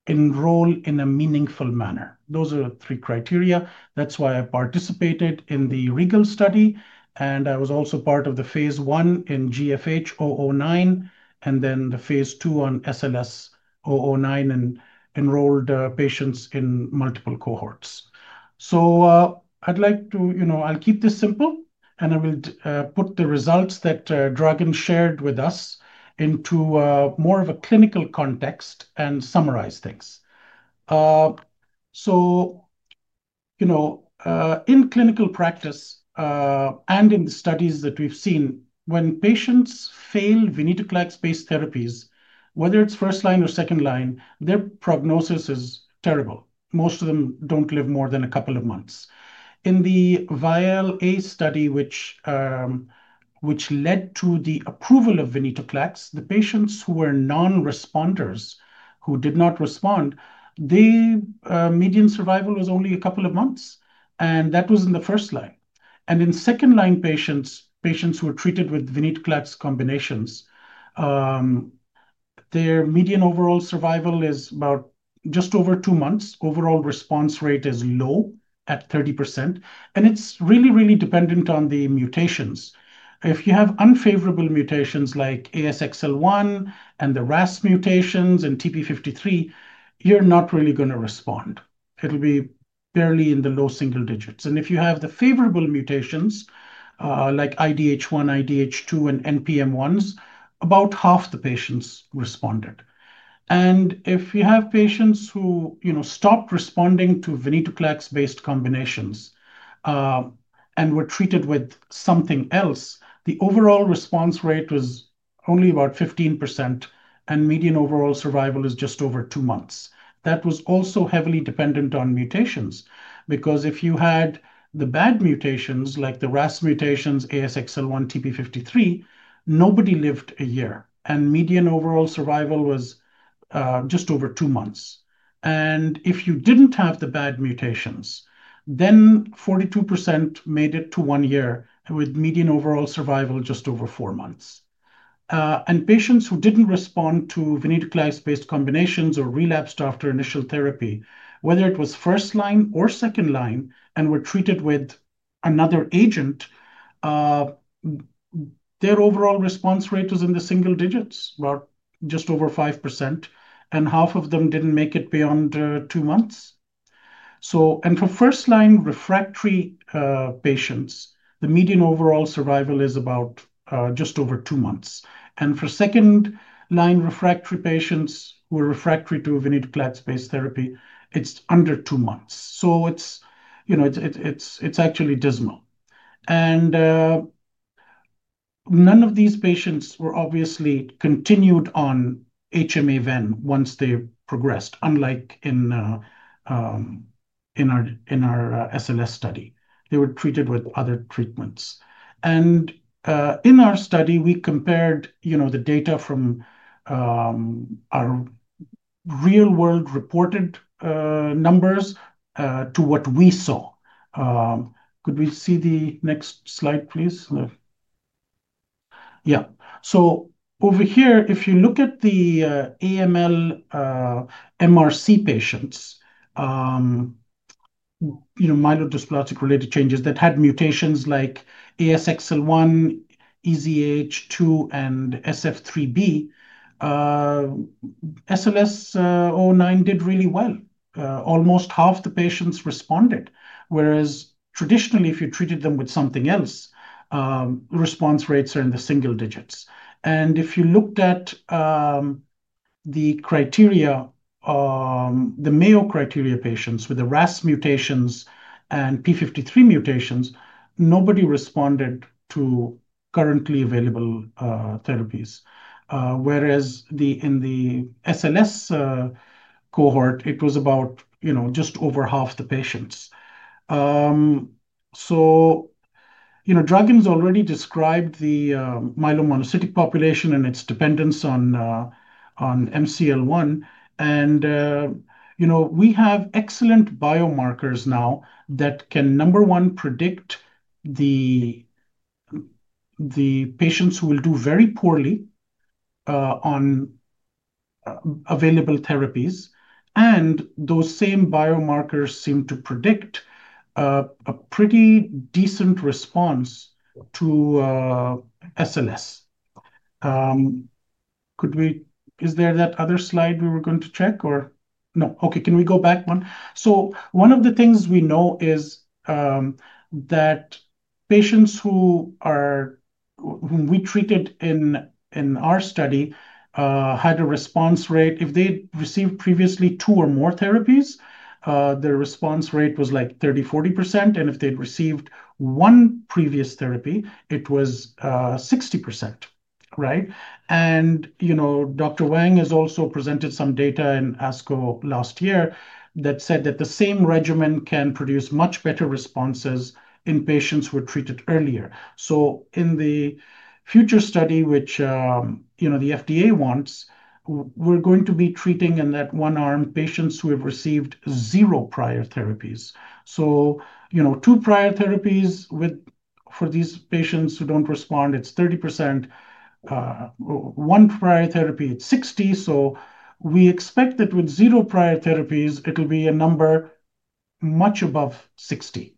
enroll in a meaningful manner? Those are the three criteria. That's why I participated in the REGAL study. I was also part of the phase I in GFH 009, and then the phase II on SLS009 and enrolled patients in multiple cohorts. I'd like to keep this simple, and I will put the results that Dragan shared with us into more of a clinical context and summarize things. In clinical practice and in the studies that we've seen, when patients fail Venetoclax-based therapies, whether it's first line or second line, their prognosis is terrible. Most of them don't live more than a couple of months. In the VIALE-A study, which led to the approval of Venetoclax, the patients who were non-responders who did not respond, their median survival was only a couple of months, and that was in the first line. In second line patients, patients who were treated with Venetoclax combinations, their median overall survival is about just over two months. Overall response rate is low at 30%. It's really, really dependent on the mutations. If you have unfavorable mutations like ASXL1 and the RAS mutations and TP53, you're not really going to respond. It'll be barely in the low single digits. If you have the favorable mutations like IDH1, IDH2, and NPM1s, about half the patients responded. If you have patients who stopped responding to Venetoclax-based combinations and were treated with something else, the overall response rate was only about 15%, and median overall survival is just over two months. That was also heavily dependent on mutations because if you had the bad mutations like the RAS mutations, ASXL1, TP53, nobody lived a year, and median overall survival was just over two months. If you didn't have the bad mutations, then 42% made it to one year with median overall survival just over four months. Patients who didn't respond to Venetoclax-based combinations or relapsed after initial therapy, whether it was first line or second line and were treated with another agent, their overall response rate was in the single digits, about just over 5%, and half of them didn't make it beyond two months. For first line refractory patients, the median overall survival is about just over two months. For second line refractory patients who are refractory to Venetoclax-based therapy, it's under two months. It's actually dismal. None of these patients were obviously continued on HMAVEN once they progressed, unlike in our SLS study. They were treated with other treatments. In our study, we compared the data from our real-world reported numbers to what we saw. Could we see the next slide, please? Yeah. Over here, if you look at the AML-MRCc patients, myelodysplastic-related changes that had mutations like ASXL1, EZH2, and SF3B, SLS009 did really well. Almost half the patients responded, whereas traditionally, if you treated them with something else, response rates are in the single digits. If you looked at the criteria, the Mayo criteria patients with the RAS mutations and P53 mutations, nobody responded to currently available therapies, whereas in the SLS cohort, it was about just over half the patients. Dragan's already described the myelomonocytic population and its dependence on MCL1. We have excellent biomarkers now that can, number one, predict the patients who will do very poorly on available therapies, and those same biomarkers seem to predict a pretty decent response to SLS. Could we, is there that other slide we were going to check or no? Okay. Can we go back one? One of the things we know is that patients whom we treated in our study had a response rate. If they'd received previously two or more therapies, their response rate was like 30%, 40%. If they'd received one previous therapy, it was 60%, right? Dr. Wang has also presented some data in ASCO last year that said that the same regimen can produce much better responses in patients who were treated earlier. In the future study, which the FDA wants, we're going to be treating in that one arm patients who have received zero prior therapies. Two prior therapies for these patients who don't respond, it's 30%. One prior therapy, it's 60%. We expect that with zero prior therapies, it'll be a number much above 60%.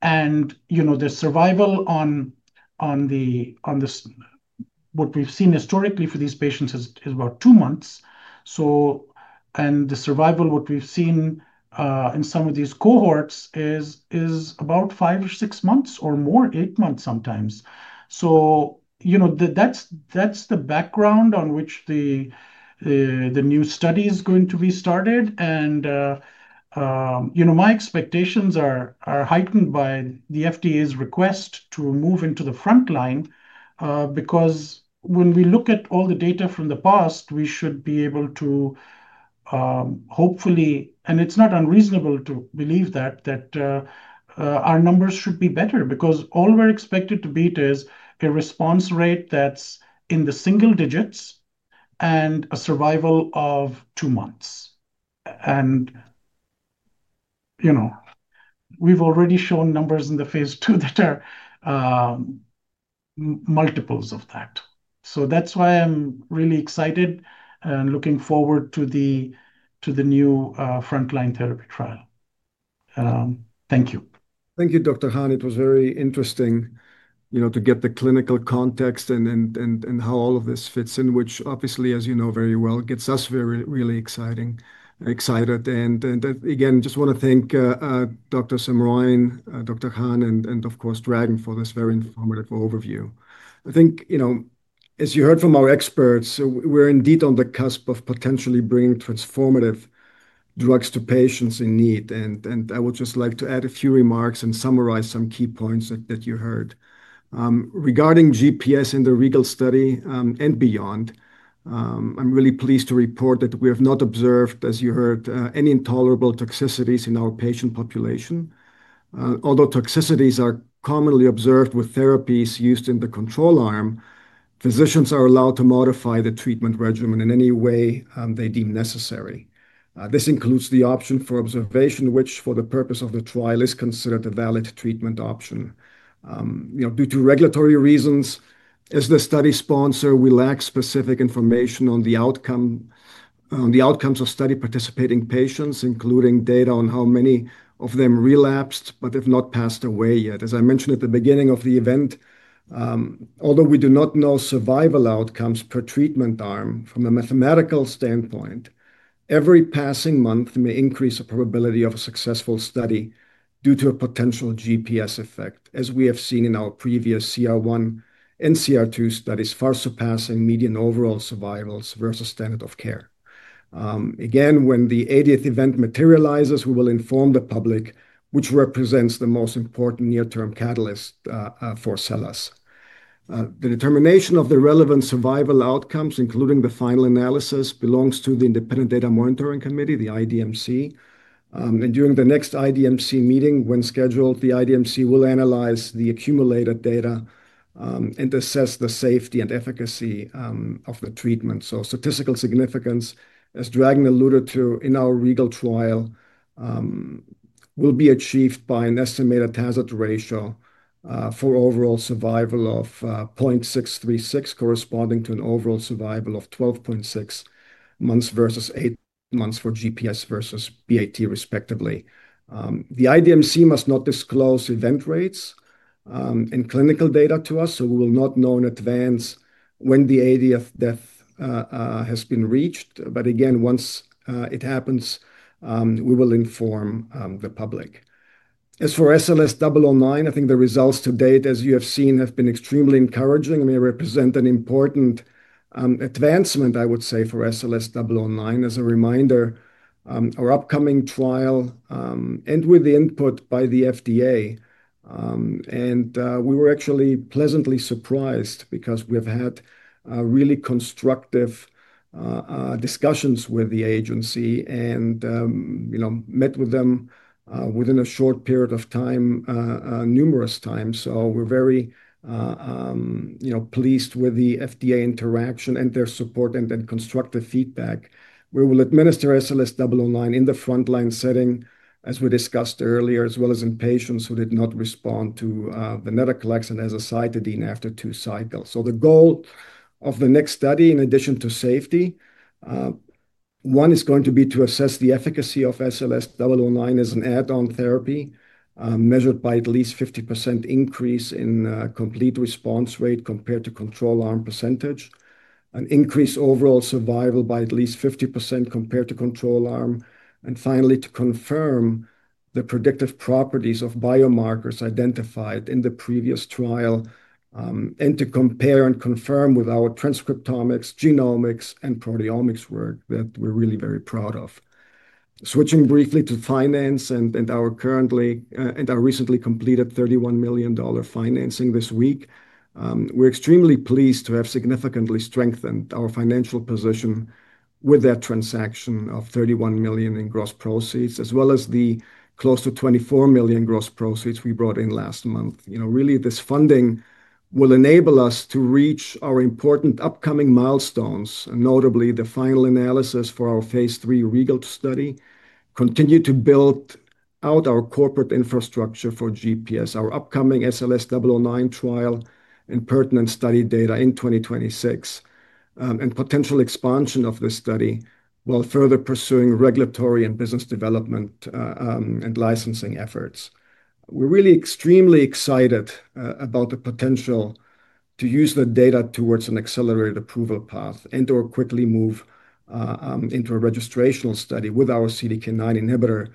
The survival on what we've seen historically for these patients is about two months. The survival we've seen in some of these cohorts is about five or six months or more, eight months sometimes. That's the background on which the new study is going to be started. My expectations are heightened by the FDA's request to move into the frontline because when we look at all the data from the past, we should be able to hopefully, and it's not unreasonable to believe that our numbers should be better because all we're expected to beat is a response rate that's in the single digits and a survival of two months. We've already shown numbers in the phase II that are multiples of that. That's why I'm really excited and looking forward to the new frontline therapy trial. Thank you. Thank you, Dr. Khan. It was very interesting to get the clinical context and how all of this fits in, which obviously, as you know very well, gets us really excited. Again, just want to thank Dr. Khan and, of course, Dragan for this very informative overview. I think, as you heard from our experts, we're indeed on the cusp of potentially bringing transformative drugs to patients in need. I would just like to add a few remarks and summarize some key points that you heard. Regarding GPS in the REGAL study and beyond, I'm really pleased to report that we have not observed, as you heard, any intolerable toxicities in our patient population. Although toxicities are commonly observed with therapies used in the control arm, physicians are allowed to modify the treatment regimen in any way they deem necessary. This includes the option for observation, which for the purpose of the trial is considered a valid treatment option. Due to regulatory reasons, as the study sponsor, we lack specific information on the outcomes of study participating patients, including data on how many of them relapsed, but have not passed away yet. As I mentioned at the beginning of the event, although we do not know survival outcomes per treatment arm, from a mathematical standpoint, every passing month may increase the probability of a successful study due to a potential GPS effect, as we have seen in our previous CR1 and CR2 studies, far surpassing median overall survivals versus standard of care. When the 80th event materializes, we will inform the public, which represents the most important near-term catalyst for SLS. The determination of the relevant survival outcomes, including the final analysis, belongs to the Independent Data Monitoring Committee, the IDMC. During the next IDMC meeting, when scheduled, the IDMC will analyze the accumulated data and assess the safety and efficacy of the treatment. Statistical significance, as Dragan alluded to in our REGAL trial, will be achieved by an estimated hazard ratio for overall survival of 0.636, corresponding to an overall survival of 12.6 months versus 8 months for GPS versus BAT, respectively. The IDMC must not disclose event rates and clinical data to us, so we will not know in advance when the 80th death has been reached. Once it happens, we will inform the public. As for SLS-009, I think the results to date, as you have seen, have been extremely encouraging. I mean, they represent an important advancement, I would say, for SLS-009. As a reminder, our upcoming trial and with the input by the FDA, we were actually pleasantly surprised because we have had really constructive discussions with the agency and, you know, met with them within a short period of time, numerous times. We are very, you know, pleased with the FDA interaction and their support and constructive feedback. We will administer SLS-009 in the frontline setting, as we discussed earlier, as well as in patients who did not respond to Venetoclax and azacitidine after two cycles. The goal of the next study, in addition to safety, is going to be to assess the efficacy of SLS009 as an add-on therapy, measured by at least a 50% increase in complete response rate compared to control arm percentage, an increase in overall survival by at least 50% compared to control arm, and finally to confirm the predictive properties of biomarkers identified in the previous trial and to compare and confirm with our transcriptomics, genomics, and proteomics work that we're really very proud of. Switching briefly to finance and our recently completed $31 million financing this week, we're extremely pleased to have significantly strengthened our financial position with that transaction of $31 million in gross proceeds, as well as the close to $24 million gross proceeds we brought in last month. This funding will enable us to reach our important upcoming milestones, notably the final analysis for our phase III REGAL study, continue to build out our corporate infrastructure for GPS, our upcoming SLS009 trial, and pertinent study data in 2026, and potential expansion of this study while further pursuing regulatory and business development and licensing efforts. We are really extremely excited about the potential to use the data towards an accelerated approval path and/or quickly move into a registrational study with our CDK9 inhibitor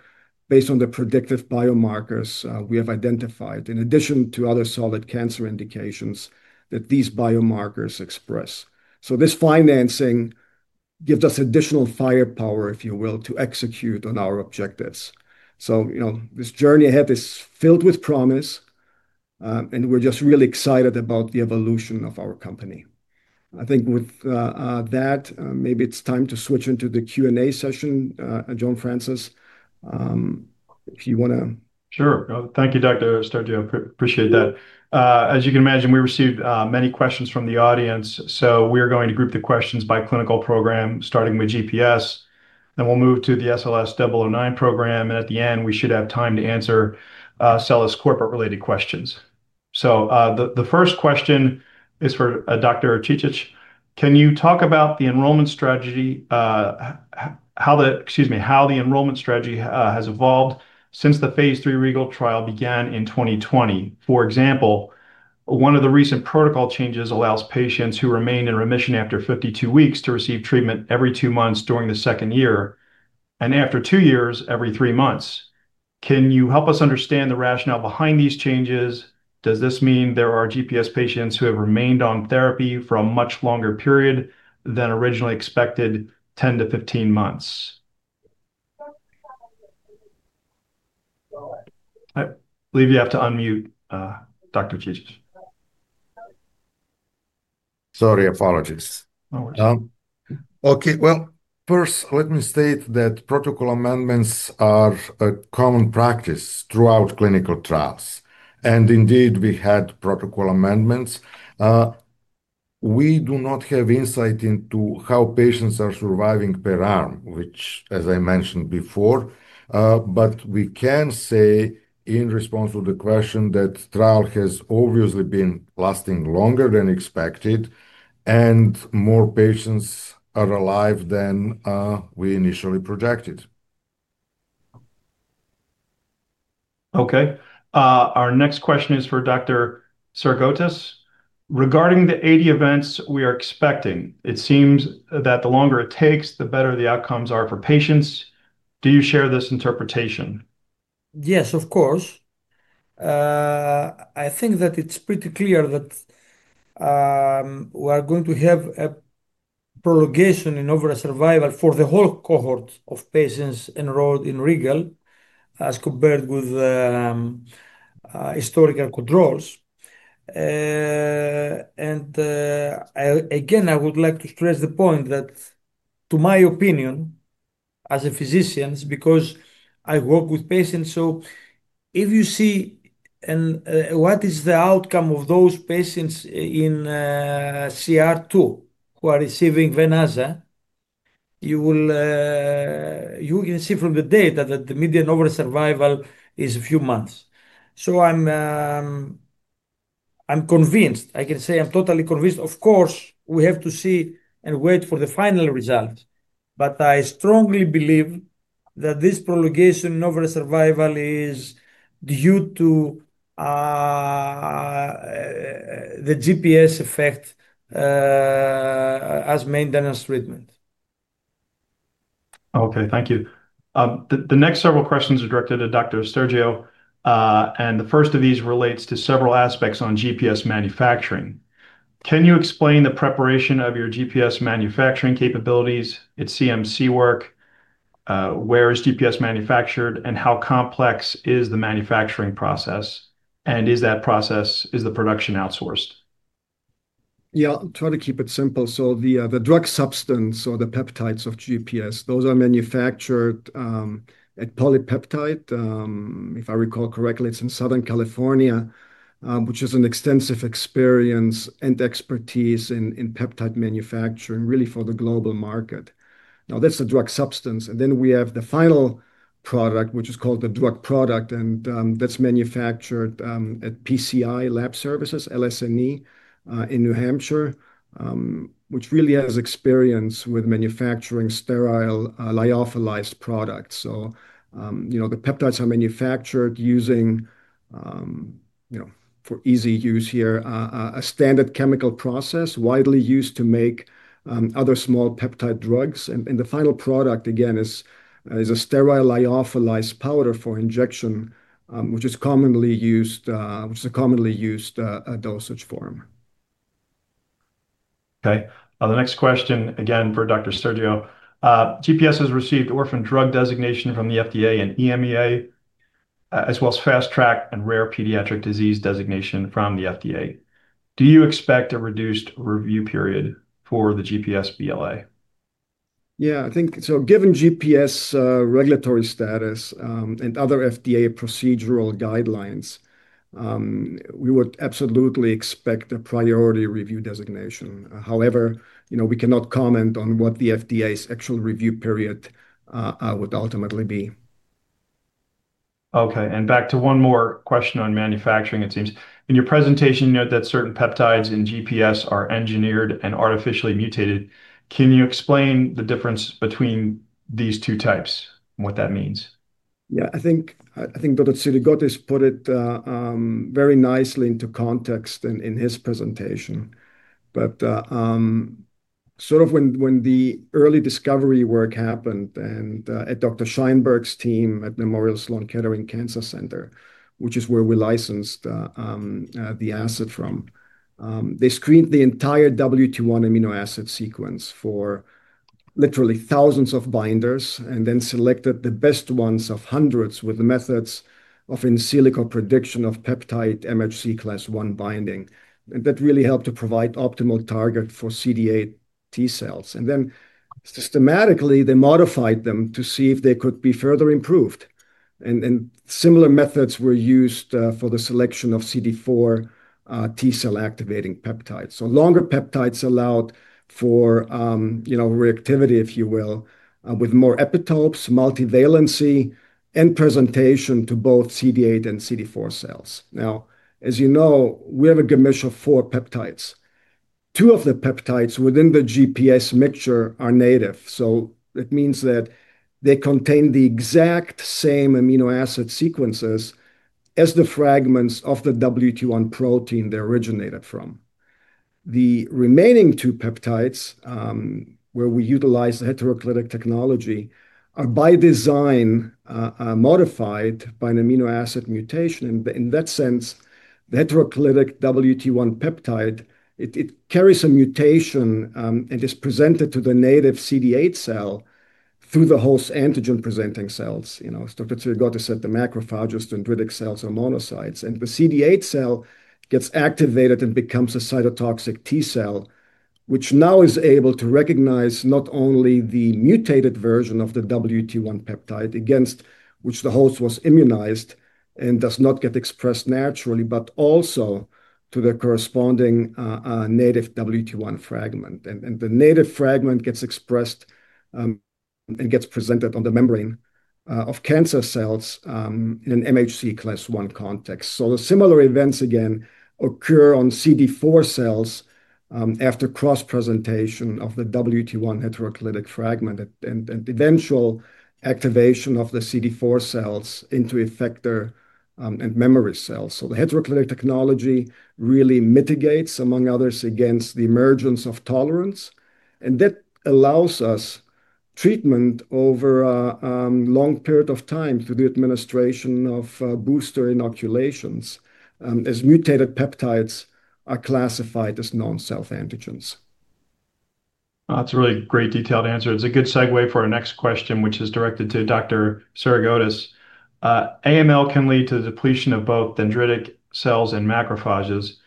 based on the predictive biomarkers we have identified in addition to other solid cancer indications that these biomarkers express. This financing gives us additional firepower, if you will, to execute on our objectives. This journey ahead is filled with promise, and we're just really excited about the evolution of our company. I think with that, maybe it's time to switch into the Q&A session, John Francis, if you want to. Sure. Thank you, Dr. Stergiou. Appreciate that. As you can imagine, we received many questions from the audience. We are going to group the questions by clinical program, starting with GPS. Then we'll move to the SLS009 program. At the end, we should have time to answer SLS corporate-related questions. The first question is for Dr. Cvicic. Can you talk about the enrollment strategy, how the enrollment strategy has evolved since the phase III REGAL trial began in 2020? For example, one of the recent protocol changes allows patients who remain in remission after 52 weeks to receive treatment every two months during the second year, and after two years, every three months. Can you help us understand the rationale behind these changes? Does this mean there are GPS patients who have remained on therapy for a much longer period than originally expected, 10 to 15 months? I believe you have to unmute, Dr. Cvicic. Sorry, apologies. No worries. First, let me state that protocol amendments are a common practice throughout clinical trials. Indeed, we had protocol amendments. We do not have insight into how patients are surviving per arm, which, as I mentioned before, but we can say in response to the question that the trial has obviously been lasting longer than expected, and more patients are alive than we initially projected. Okay. Our next question is for Dr. Tsirigotis. Regarding the 80 events we are expecting, it seems that the longer it takes, the better the outcomes are for patients. Do you share this interpretation? Yes, of course. I think that it's pretty clear that we are going to have a prolongation in overall survival for the whole cohort of patients enrolled in REGAL as compared with historical controls. I would like to stress the point that, to my opinion, as a physician, because I work with patients, if you see what is the outcome of those patients in CR2 who are receiving Venetoclax, you can see from the data that the median overall survival is a few months. I'm convinced. I can say I'm totally convinced. Of course, we have to see and wait for the final result. I strongly believe that this prolongation in overall survival is due to the GPS effect as maintenance treatment. Okay. Thank you. The next several questions are directed to Dr. Stergiou, and the first of these relates to several aspects on GPS manufacturing. Can you explain the preparation of your GPS manufacturing capabilities and CMC work? Where is GPS manufactured, and how complex is the manufacturing process? Is that process, is the production outsourced? Yeah, I'll try to keep it simple. The drug substance or the peptides of GPS, those are manufactured at Polypeptide. If I recall correctly, it's in Southern California, which has extensive experience and expertise in peptide manufacturing, really for the global market. That's the drug substance. Then we have the final product, which is called the drug product, and that's manufactured at PCI Lab Services, LS&E in New Hampshire, which really has experience with manufacturing sterile lyophilized products. The peptides are manufactured using, for easy use here, a standard chemical process widely used to make other small peptide drugs. The final product, again, is a sterile lyophilized powder for injection, which is a commonly used dosage form. Okay. The next question, again, for Dr. Stergiou. Galinpepimut-S has received orphan drug designation from the FDA and EMEA, as well as fast track and rare pediatric disease designation from the FDA. Do you expect a reduced review period for the Galinpepimut-S BLA? Yeah, I think so. Given GPS regulatory status and other FDA procedural guidelines, we would absolutely expect a priority review designation. However, you know, we cannot comment on what the FDA's actual review period would ultimately be. Okay. Back to one more question on manufacturing, it seems. In your presentation, you note that certain peptides in GPS are engineered and artificially mutated. Can you explain the difference between these two types and what that means? Yeah, I think Dr. Tsirigotis put it very nicely into context in his presentation. When the early discovery work happened at Dr. Scheinberg's team at Memorial Sloan Kettering Cancer Center, which is where we licensed the asset from, they screened the entire WT1 amino acid sequence for literally thousands of binders and then selected the best ones of hundreds with the methods of in silico prediction of peptide MHC class I binding. That really helped to provide optimal target for CD8 T cells. They systematically modified them to see if they could be further improved. Similar methods were used for the selection of CD4 T cell activating peptides. Longer peptides allowed for, you know, reactivity, if you will, with more epitopes, multivalency, and presentation to both CD8 and CD4 cells. As you know, we have a garnish of four peptides. Two of the peptides within the GPS mixture are native. It means that they contain the exact same amino acid sequences as the fragments of the WT1 protein they originated from. The remaining two peptides, where we utilize the heteroclitic technology, are by design modified by an amino acid mutation. In that sense, the heteroclitic WT1 peptide carries a mutation and is presented to the native CD8 cell through the host antigen-presenting cells. As Dr. Tsirigotis said, the macrophages, dendritic cells, or monocytes. The CD8 cell gets activated and becomes a cytotoxic T cell, which now is able to recognize not only the mutated version of the WT1 peptide against which the host was immunized and does not get expressed naturally, but also the corresponding native WT1 fragment. The native fragment gets expressed and gets presented on the membrane of cancer cells in an MHC class I context. Similar events again occur on CD4 cells after cross-presentation of the WT1 heteroclitic fragment and eventual activation of the CD4 cells into effector and memory cells. The heteroclitic technology really mitigates, among others, against the emergence of tolerance. That allows us treatment over a long period of time through the administration of booster inoculations as mutated peptides are classified as non-self antigens. That's a really great detailed answer. It's a good segue for our next question, which is directed to Dr. Tsirigotis. AML can lead to the depletion of both dendritic cells and macrophages.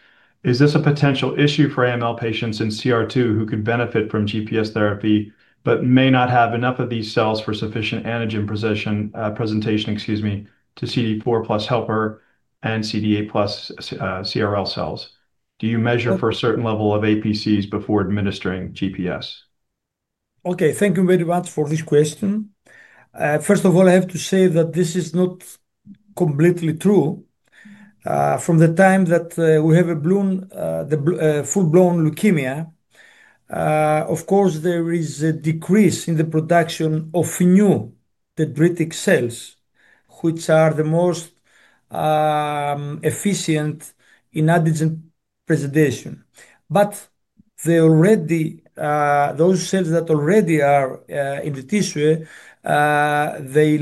Is this a potential issue for AML patients in CR2 who could benefit from GPS therapy but may not have enough of these cells for sufficient antigen presentation to CD4 plus helper and CD8 plus T cells? Do you measure for a certain level of APCs before administering GPS? Okay. Thank you very much for this question. First of all, I have to say that this is not completely true. From the time that we have a full-blown leukemia, of course, there is a decrease in the production of new dendritic cells, which are the most efficient in antigen presentation. Those cells that already are in the tissue, they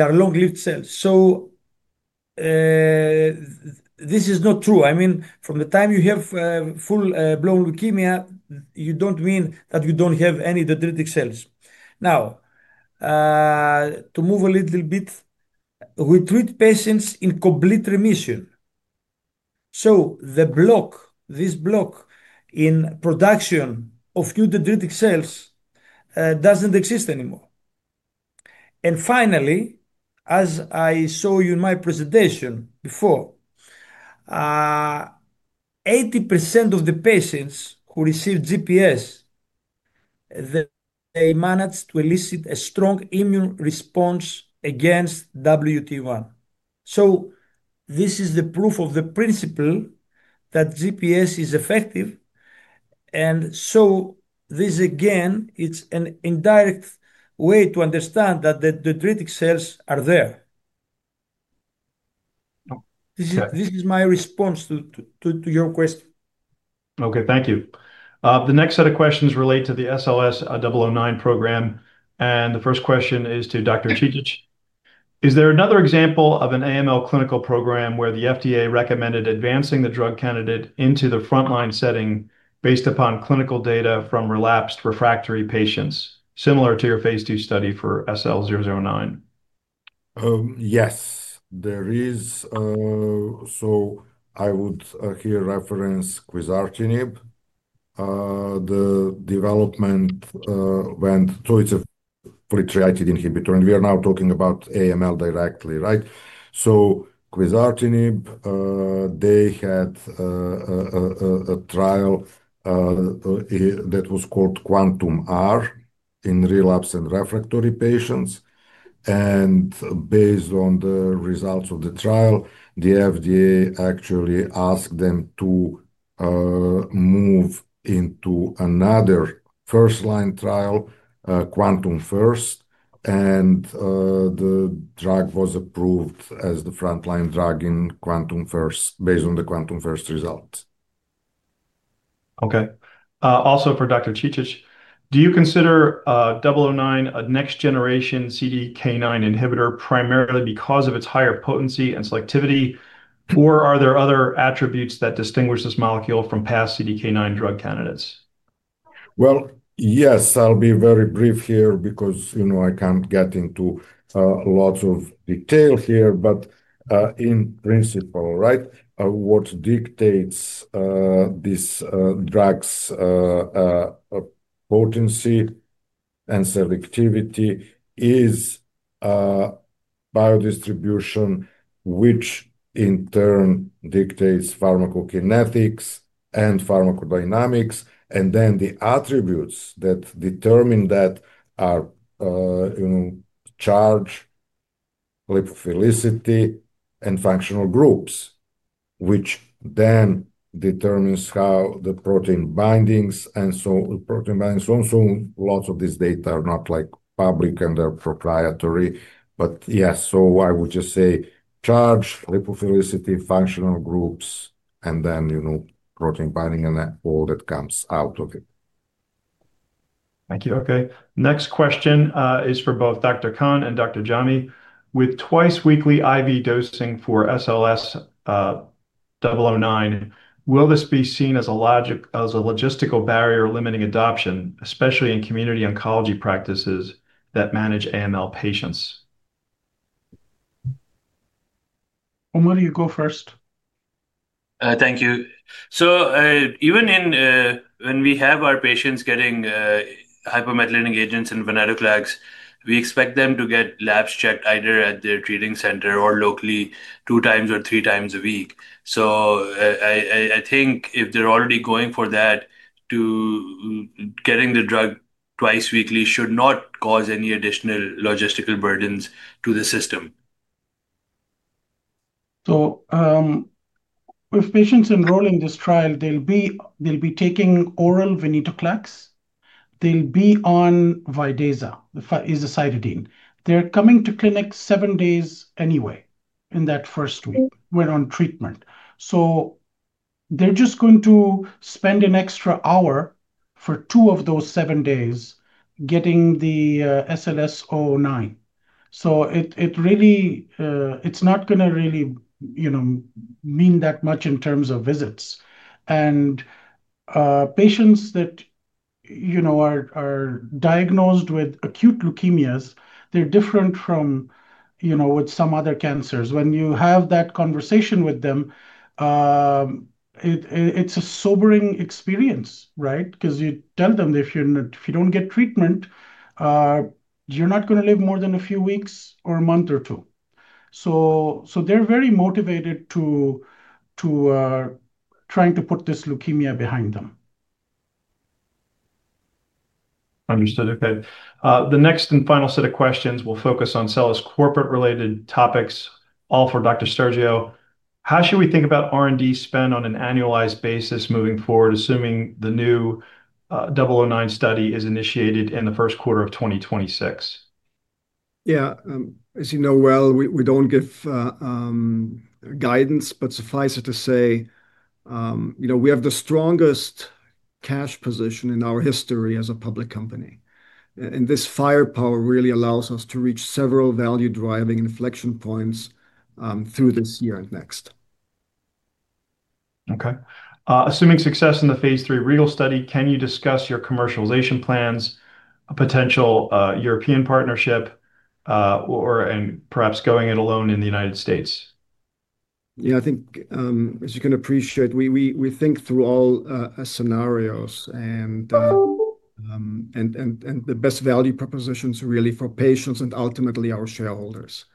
are long-lived cells. This is not true. I mean, from the time you have full-blown leukemia, you don't mean that you don't have any dendritic cells. Now, to move a little bit, we treat patients in complete remission. The block, this block in production of new dendritic cells doesn't exist anymore. Finally, as I showed you in my presentation before, 80% of the patients who receive GPS, they manage to elicit a strong immune response against WT1. This is the proof of the principle that GPS is effective. This, again, it's an indirect way to understand that the dendritic cells are there. This is my response to your question. Okay. Thank you. The next set of questions relate to the SLS009 program. The first question is to Dr. Cvicic. Is there another example of an acute myeloid leukemia clinical program where the FDA recommended advancing the drug candidate into the frontline setting based upon clinical data from relapsed refractory patients, similar to your phase II study for SLS009? Yes, there is. I would here reference Quizartinib. The development went to its inhibitor, and we are now talking about AML directly, right? Quizartinib, they had a trial that was called QUANTUM-R in relapse and refractory patients. Based on the results of the trial, the FDA actually asked them to move into another first-line trial, Quantum-First, and the drug was approved as the frontline drug in QUANTUM-R First based on the QUANTUM-R First results. Okay. Also for Dr. Cvicic, do you consider SLS009 a next-generation CDK9 inhibitor primarily because of its higher potency and selectivity, or are there other attributes that distinguish this molecule from past CDK9 drug candidates? I will be very brief here because I can't get into lots of detail here. In principle, what dictates this drug's potency and selectivity is biodistribution, which in turn dictates pharmacokinetics and pharmacodynamics. The attributes that determine that are charge, lipophilicity, and functional groups, which then determines how the protein binding is. The protein binding, and so on, lots of these data are not public and they're proprietary. I would just say charge, lipophilicity, functional groups, and then protein binding and all that comes out of it. Thank you. Okay. Next question is for both Dr. Khan and Dr. Jamy. With twice-weekly IV dosing for SLS009, will this be seen as a logistical barrier limiting adoption, especially in community oncology practices that manage AML patients? Omer, you go first. Thank you. Even when we have our patients getting hypomethylating agents and Venetoclax, we expect them to get labs checked either at their treating center or locally two times or three times a week. I think if they're already going for that, getting the drug twice weekly should not cause any additional logistical burdens to the system. If patients enroll in this trial, they'll be taking oral Venetoclax. They'll be on Vidaza, the azacitidine. They're coming to clinic seven days anyway in that first week when on treatment. They're just going to spend an extra hour for two of those seven days getting the SLS009. It really is not going to really, you know, mean that much in terms of visits. Patients that, you know, are diagnosed with acute leukemias, they're different from, you know, with some other cancers. When you have that conversation with them, it's a sobering experience, right? Because you tell them that if you don't get treatment, you're not going to live more than a few weeks or a month or two. They're very motivated to trying to put this leukemia behind them. Understood. Okay. The next and final set of questions will focus on SELLAS corporate-related topics, all for Dr. Stergiou. How should we think about R&D spend on an annualized basis moving forward, assuming the new SLS009 study is initiated in the first quarter of 2026? Yeah. As you know, we don't give guidance, but suffice it to say, we have the strongest cash position in our history as a public company. This firepower really allows us to reach several value-driving inflection points through this year and next. Okay. Assuming success in the phase III REGAL study, can you discuss your commercialization plans, a potential European partnership, or perhaps going it alone in the U.S.? I think, as you can appreciate, we think through all scenarios and the best value propositions really for patients and ultimately our shareholders.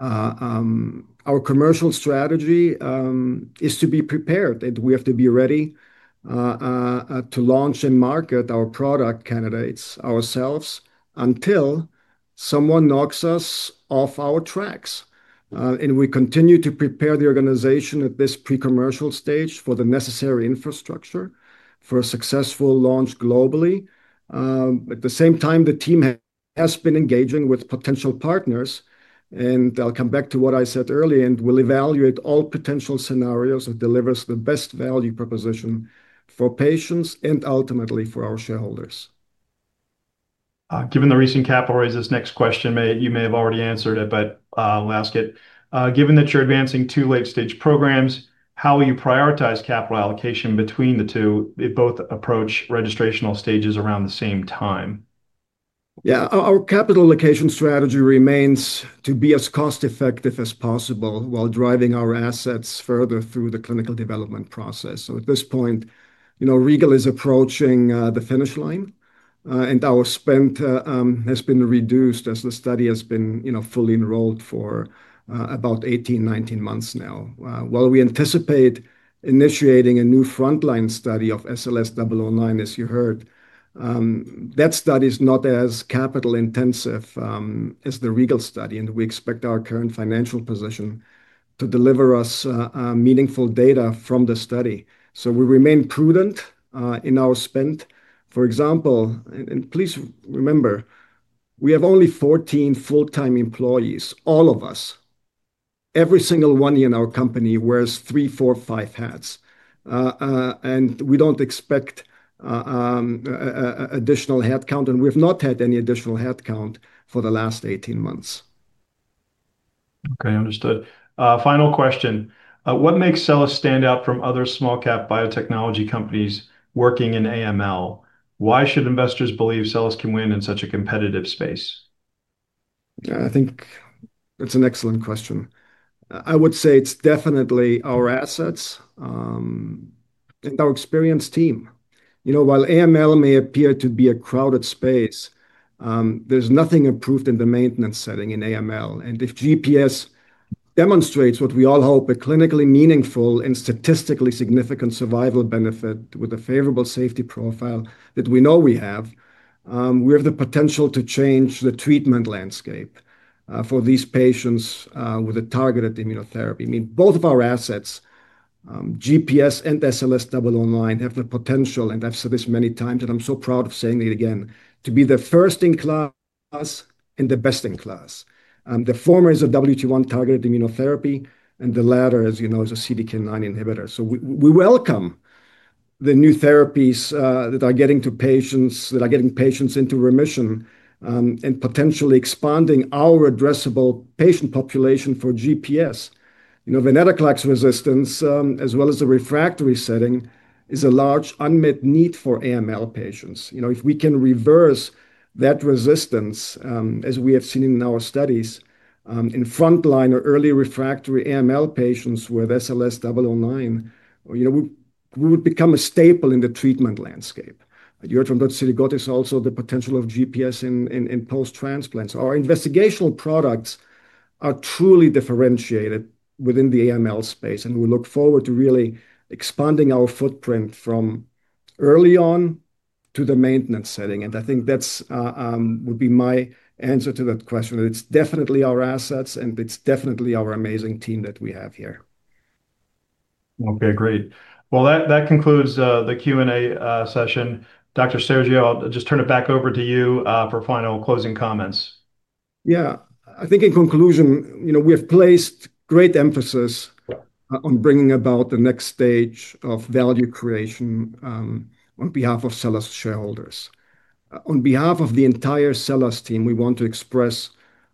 Our commercial strategy is to be prepared, and we have to be ready to launch and market our product candidates ourselves until someone knocks us off our tracks. We continue to prepare the organization at this pre-commercial stage for the necessary infrastructure for a successful launch globally. At the same time, the team has been engaging with potential partners, and I'll come back to what I said earlier, and we'll evaluate all potential scenarios that deliver us the best value proposition for patients and ultimately for our shareholders. Given the recent capital raises, next question, you may have already answered it, but I'll ask it. Given that you're advancing two late-stage programs, how will you prioritize capital allocation between the two if both approach registrational stages around the same time? Yeah, our capital allocation strategy remains to be as cost-effective as possible while driving our assets further through the clinical development process. At this point, REGAL is approaching the finish line, and our spend has been reduced as the study has been fully enrolled for about 18, 19 months now. While we anticipate initiating a new frontline study of SLS009, as you heard, that study is not as capital-intensive as the REGAL study, and we expect our current financial position to deliver us meaningful data from the study. We remain prudent in our spend. For example, and please remember, we have only 14 full-time employees, all of us. Every single one in our company wears three, four, five hats. We don't expect additional headcount, and we have not had any additional headcount for the last 18 months. Okay. Understood. Final question. What makes SELLAS stand out from other small-cap biotechnology companies working in AML? Why should investors believe SELLAS can win in such a competitive space? I think it's an excellent question. I would say it's definitely our assets and our experienced team. You know, while AML may appear to be a crowded space, there's nothing approved in the maintenance setting in AML. If GPS demonstrates what we all hope is clinically meaningful and statistically significant survival benefit with a favorable safety profile that we know we have, we have the potential to change the treatment landscape for these patients with a targeted immunotherapy. I mean, both of our assets, GPS and SLS009, have the potential, and I've said this many times, and I'm so proud of saying it again, to be the first in class and the best in class. The former is a WT1-targeted immunotherapy, and the latter, as you know, is a CDK9 inhibitor. We welcome the new therapies that are getting to patients, that are getting patients into remission, and potentially expanding our addressable patient population for GPS. You know, Venetoclax resistance, as well as the refractory setting, is a large unmet need for AML patients. If we can reverse that resistance, as we have seen in our studies, in frontline or early refractory AML patients with SLS009, we would become a staple in the treatment landscape. You heard from Dr. Panagiotis Tsirigotis also the potential of GPS in post-transplants. Our investigational products are truly differentiated within the AML space, and we look forward to really expanding our footprint from early on to the maintenance setting. I think that would be my answer to that question. It's definitely our assets, and it's definitely our amazing team that we have here. Okay, great. That concludes the Q&A session. Dr. Stergiou, I'll just turn it back over to you for final closing comments. Yeah, I think in conclusion, we have placed great emphasis on bringing about the next stage of value creation on behalf of SELLAS shareholders. On behalf of the entire SELLAS team, we want to express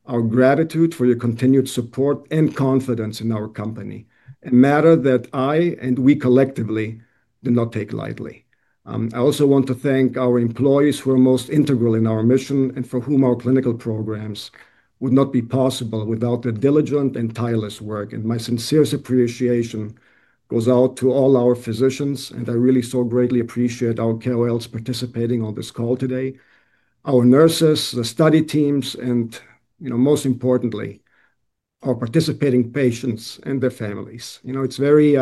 our gratitude for your continued support and confidence in our company, a matter that I and we collectively do not take lightly. I also want to thank our employees who are most integral in our mission and for whom our clinical programs would not be possible without their diligent and tireless work. My sincerest appreciation goes out to all our physicians, and I really so greatly appreciate our key opinion leaders participating on this call today, our nurses, the study teams, and most importantly, our participating patients and their families. It's very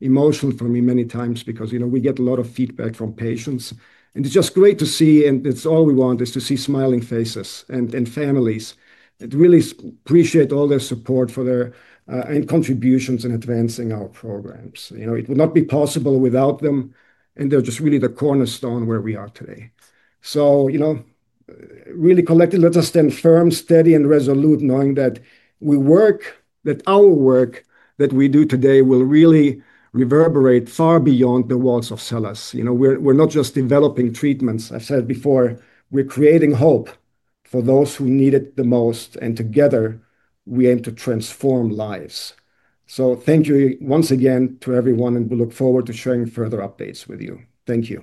emotional for me many times because we get a lot of feedback from patients, and it's just great to see, and all we want is to see smiling faces and families that really appreciate all their support for their contributions in advancing our programs. It would not be possible without them, and they're just really the cornerstone where we are today. Really collectively, let's stand firm, steady, and resolute, knowing that our work that we do today will really reverberate far beyond the walls of SELLAS. We're not just developing treatments. I've said it before, we're creating hope for those who need it the most, and together we aim to transform lives. Thank you once again to everyone, and we look forward to sharing further updates with you. Thank you.